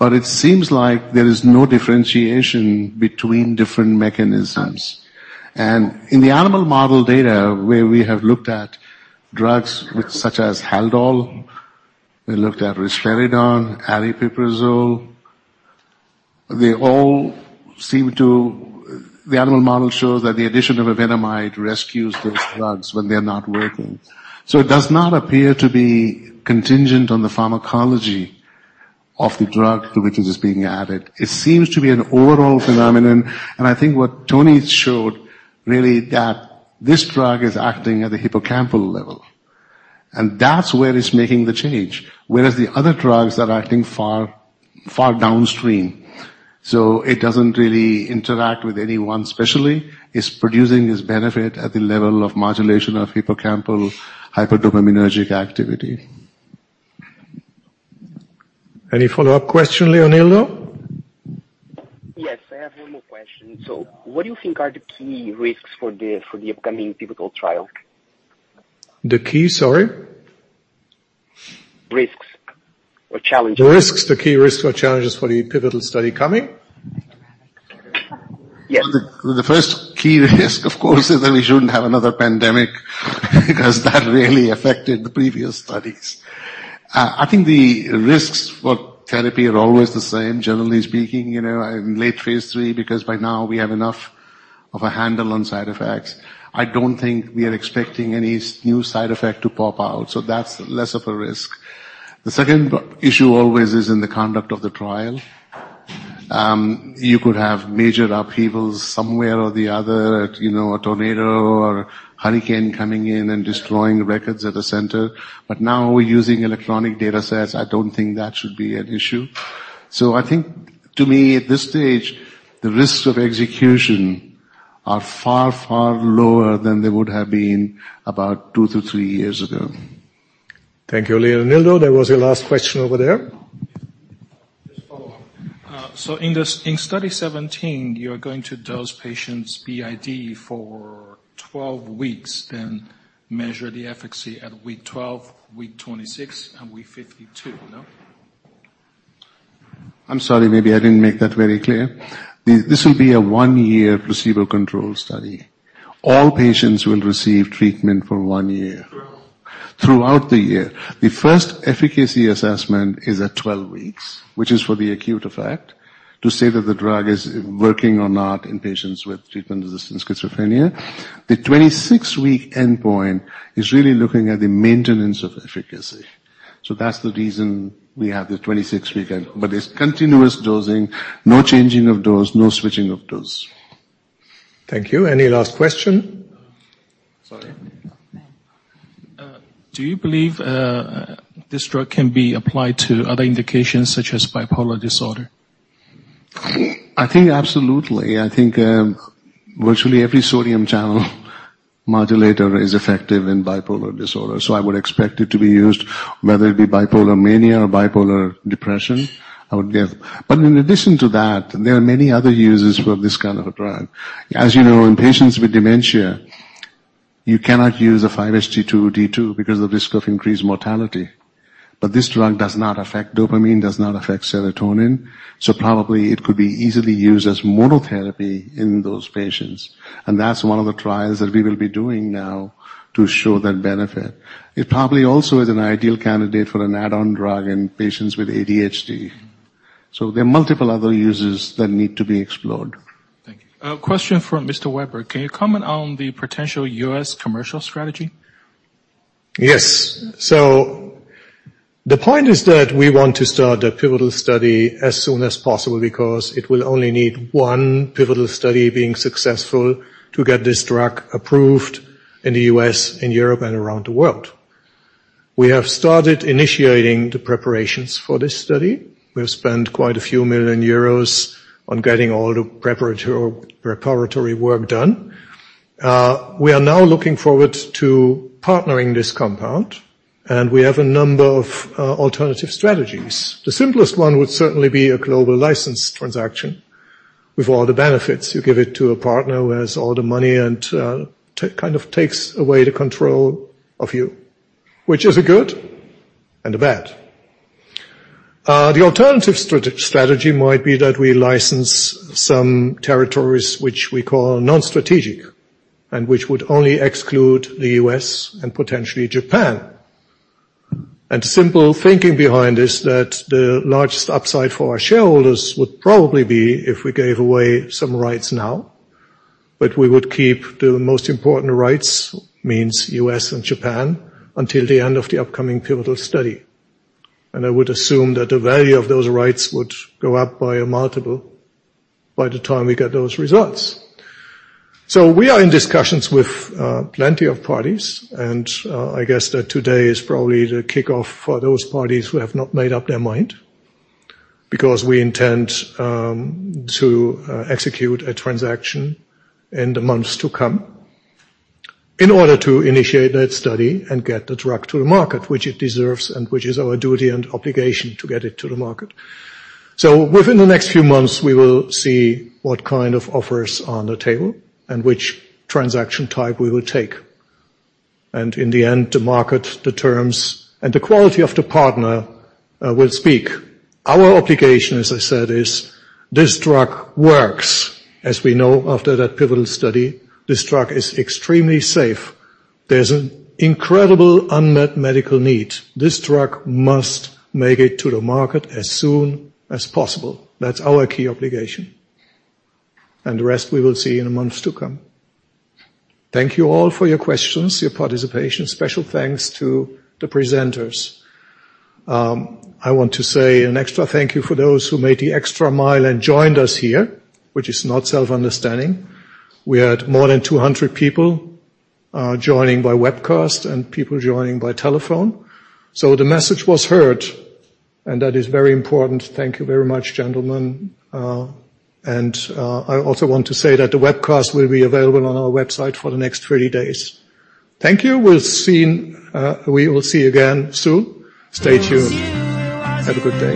It seems like there is no differentiation between different mechanisms. In the animal model data, where we have looked at drugs such as HALDOL, we looked at risperidone, aripiprazole. The animal model shows that the addition of evenamide rescues those drugs when they're not working. It does not appear to be contingent on the pharmacology of the drug to which it is being added. It seems to be an overall phenomenon, I think what Tony showed, really that this drug is acting at the hippocampal level. That's where it's making the change, whereas the other drugs are acting far downstream. It doesn't really interact with any one specially. It's producing this benefit at the level of modulation of hippocampal hyperdopaminergic activity. Any follow-up question, Leonildo? Yes, I have one more question. What do you think are the key risks for the upcoming pivotal trial? The key, sorry? Risks or challenges. The risks. The key risks or challenges for the pivotal study coming? Yes. The first key risk, of course, is that we shouldn't have another pandemic, because that really affected the previous studies. I think the risks for therapy are always the same, generally speaking, in late phase III, because by now we have enough of a handle on side effects. I don't think we are expecting any new side effect to pop out. That's less of a risk. The second issue always is in the conduct of the trial. You could have major upheavals somewhere or the other, a tornado or a hurricane coming in and destroying the records at a center. Now we're using electronic data sets. I don't think that should be an issue. I think to me, at this stage, the risks of execution are far, far lower than they would have been about two to three years ago. Thank you, Leonildo. That was your last question over there. Just to follow up. In Study 017, you're going to dose patients BID for 12 weeks, then measure the efficacy at week 12, week 26, and week 52, no? I'm sorry. Maybe I didn't make that very clear. This will be a one-year placebo-controlled study. All patients will receive treatment for one year. Throughout. Throughout the year. The first efficacy assessment is at 12 weeks, which is for the acute effect, to say that the drug is working or not in patients with treatment-resistant schizophrenia. The 26-week endpoint is really looking at the maintenance of efficacy. That's the reason we have the 26-week end. It's continuous dosing, no changing of dose, no switching of dose. Thank you. Any last question? Sorry. Do you believe this drug can be applied to other indications, such as bipolar disorder? I think absolutely. I think virtually every sodium channel modulator is effective in bipolar disorder. I would expect it to be used, whether it be bipolar mania or bipolar depression. In addition to that, there are many other uses for this kind of a drug. As you know, in patients with dementia, you cannot use a 5-HT2A/D2 because of risk of increased mortality. This drug does not affect dopamine, does not affect serotonin, probably it could be easily used as monotherapy in those patients, and that's one of the trials that we will be doing now to show that benefit. It probably also is an ideal candidate for an add-on drug in patients with ADHD. There are multiple other uses that need to be explored. Thank you. A question for Mr. Weber. Can you comment on the potential U.S. commercial strategy? Yes. The point is that we want to start the pivotal study as soon as possible because it will only need one pivotal study being successful to get this drug approved in the U.S., in Europe, and around the world. We have started initiating the preparations for this study. We have spent quite a few million EUR on getting all the preparatory work done. We are now looking forward to partnering this compound. We have a number of alternative strategies. The simplest one would certainly be a global license transaction with all the benefits. You give it to a partner who has all the money and kind of takes away the control of you, which is a good and a bad. The alternative strategy might be that we license some territories which we call non-strategic, and which would only exclude the U.S. and potentially Japan. The simple thinking behind this, that the largest upside for our shareholders would probably be if we gave away some rights now. We would keep the most important rights, means U.S. and Japan, until the end of the upcoming pivotal study. I would assume that the value of those rights would go up by a multiple by the time we get those results. We are in discussions with plenty of parties, and I guess that today is probably the kickoff for those parties who have not made up their mind, because we intend to execute a transaction in the months to come in order to initiate that study and get the drug to the market, which it deserves, and which is our duty and obligation to get it to the market. Within the next few months, we will see what kind of offers are on the table and which transaction type we will take. In the end, the market, the terms, and the quality of the partner will speak. Our obligation, as I said, is this drug works, as we know after that pivotal study. This drug is extremely safe. There's an incredible unmet medical need. This drug must make it to the market as soon as possible. That's our key obligation. The rest we will see in the months to come. Thank you all for your questions, your participation. Special thanks to the presenters. I want to say an extra thank you for those who made the extra mile and joined us here, which is not self-understanding. We had more than 200 people joining by webcast and people joining by telephone, so the message was heard, and that is very important. Thank you very much, gentlemen. I also want to say that the webcast will be available on our website for the next 30 days. Thank you. We will see you again soon. Stay tuned. Have a good day.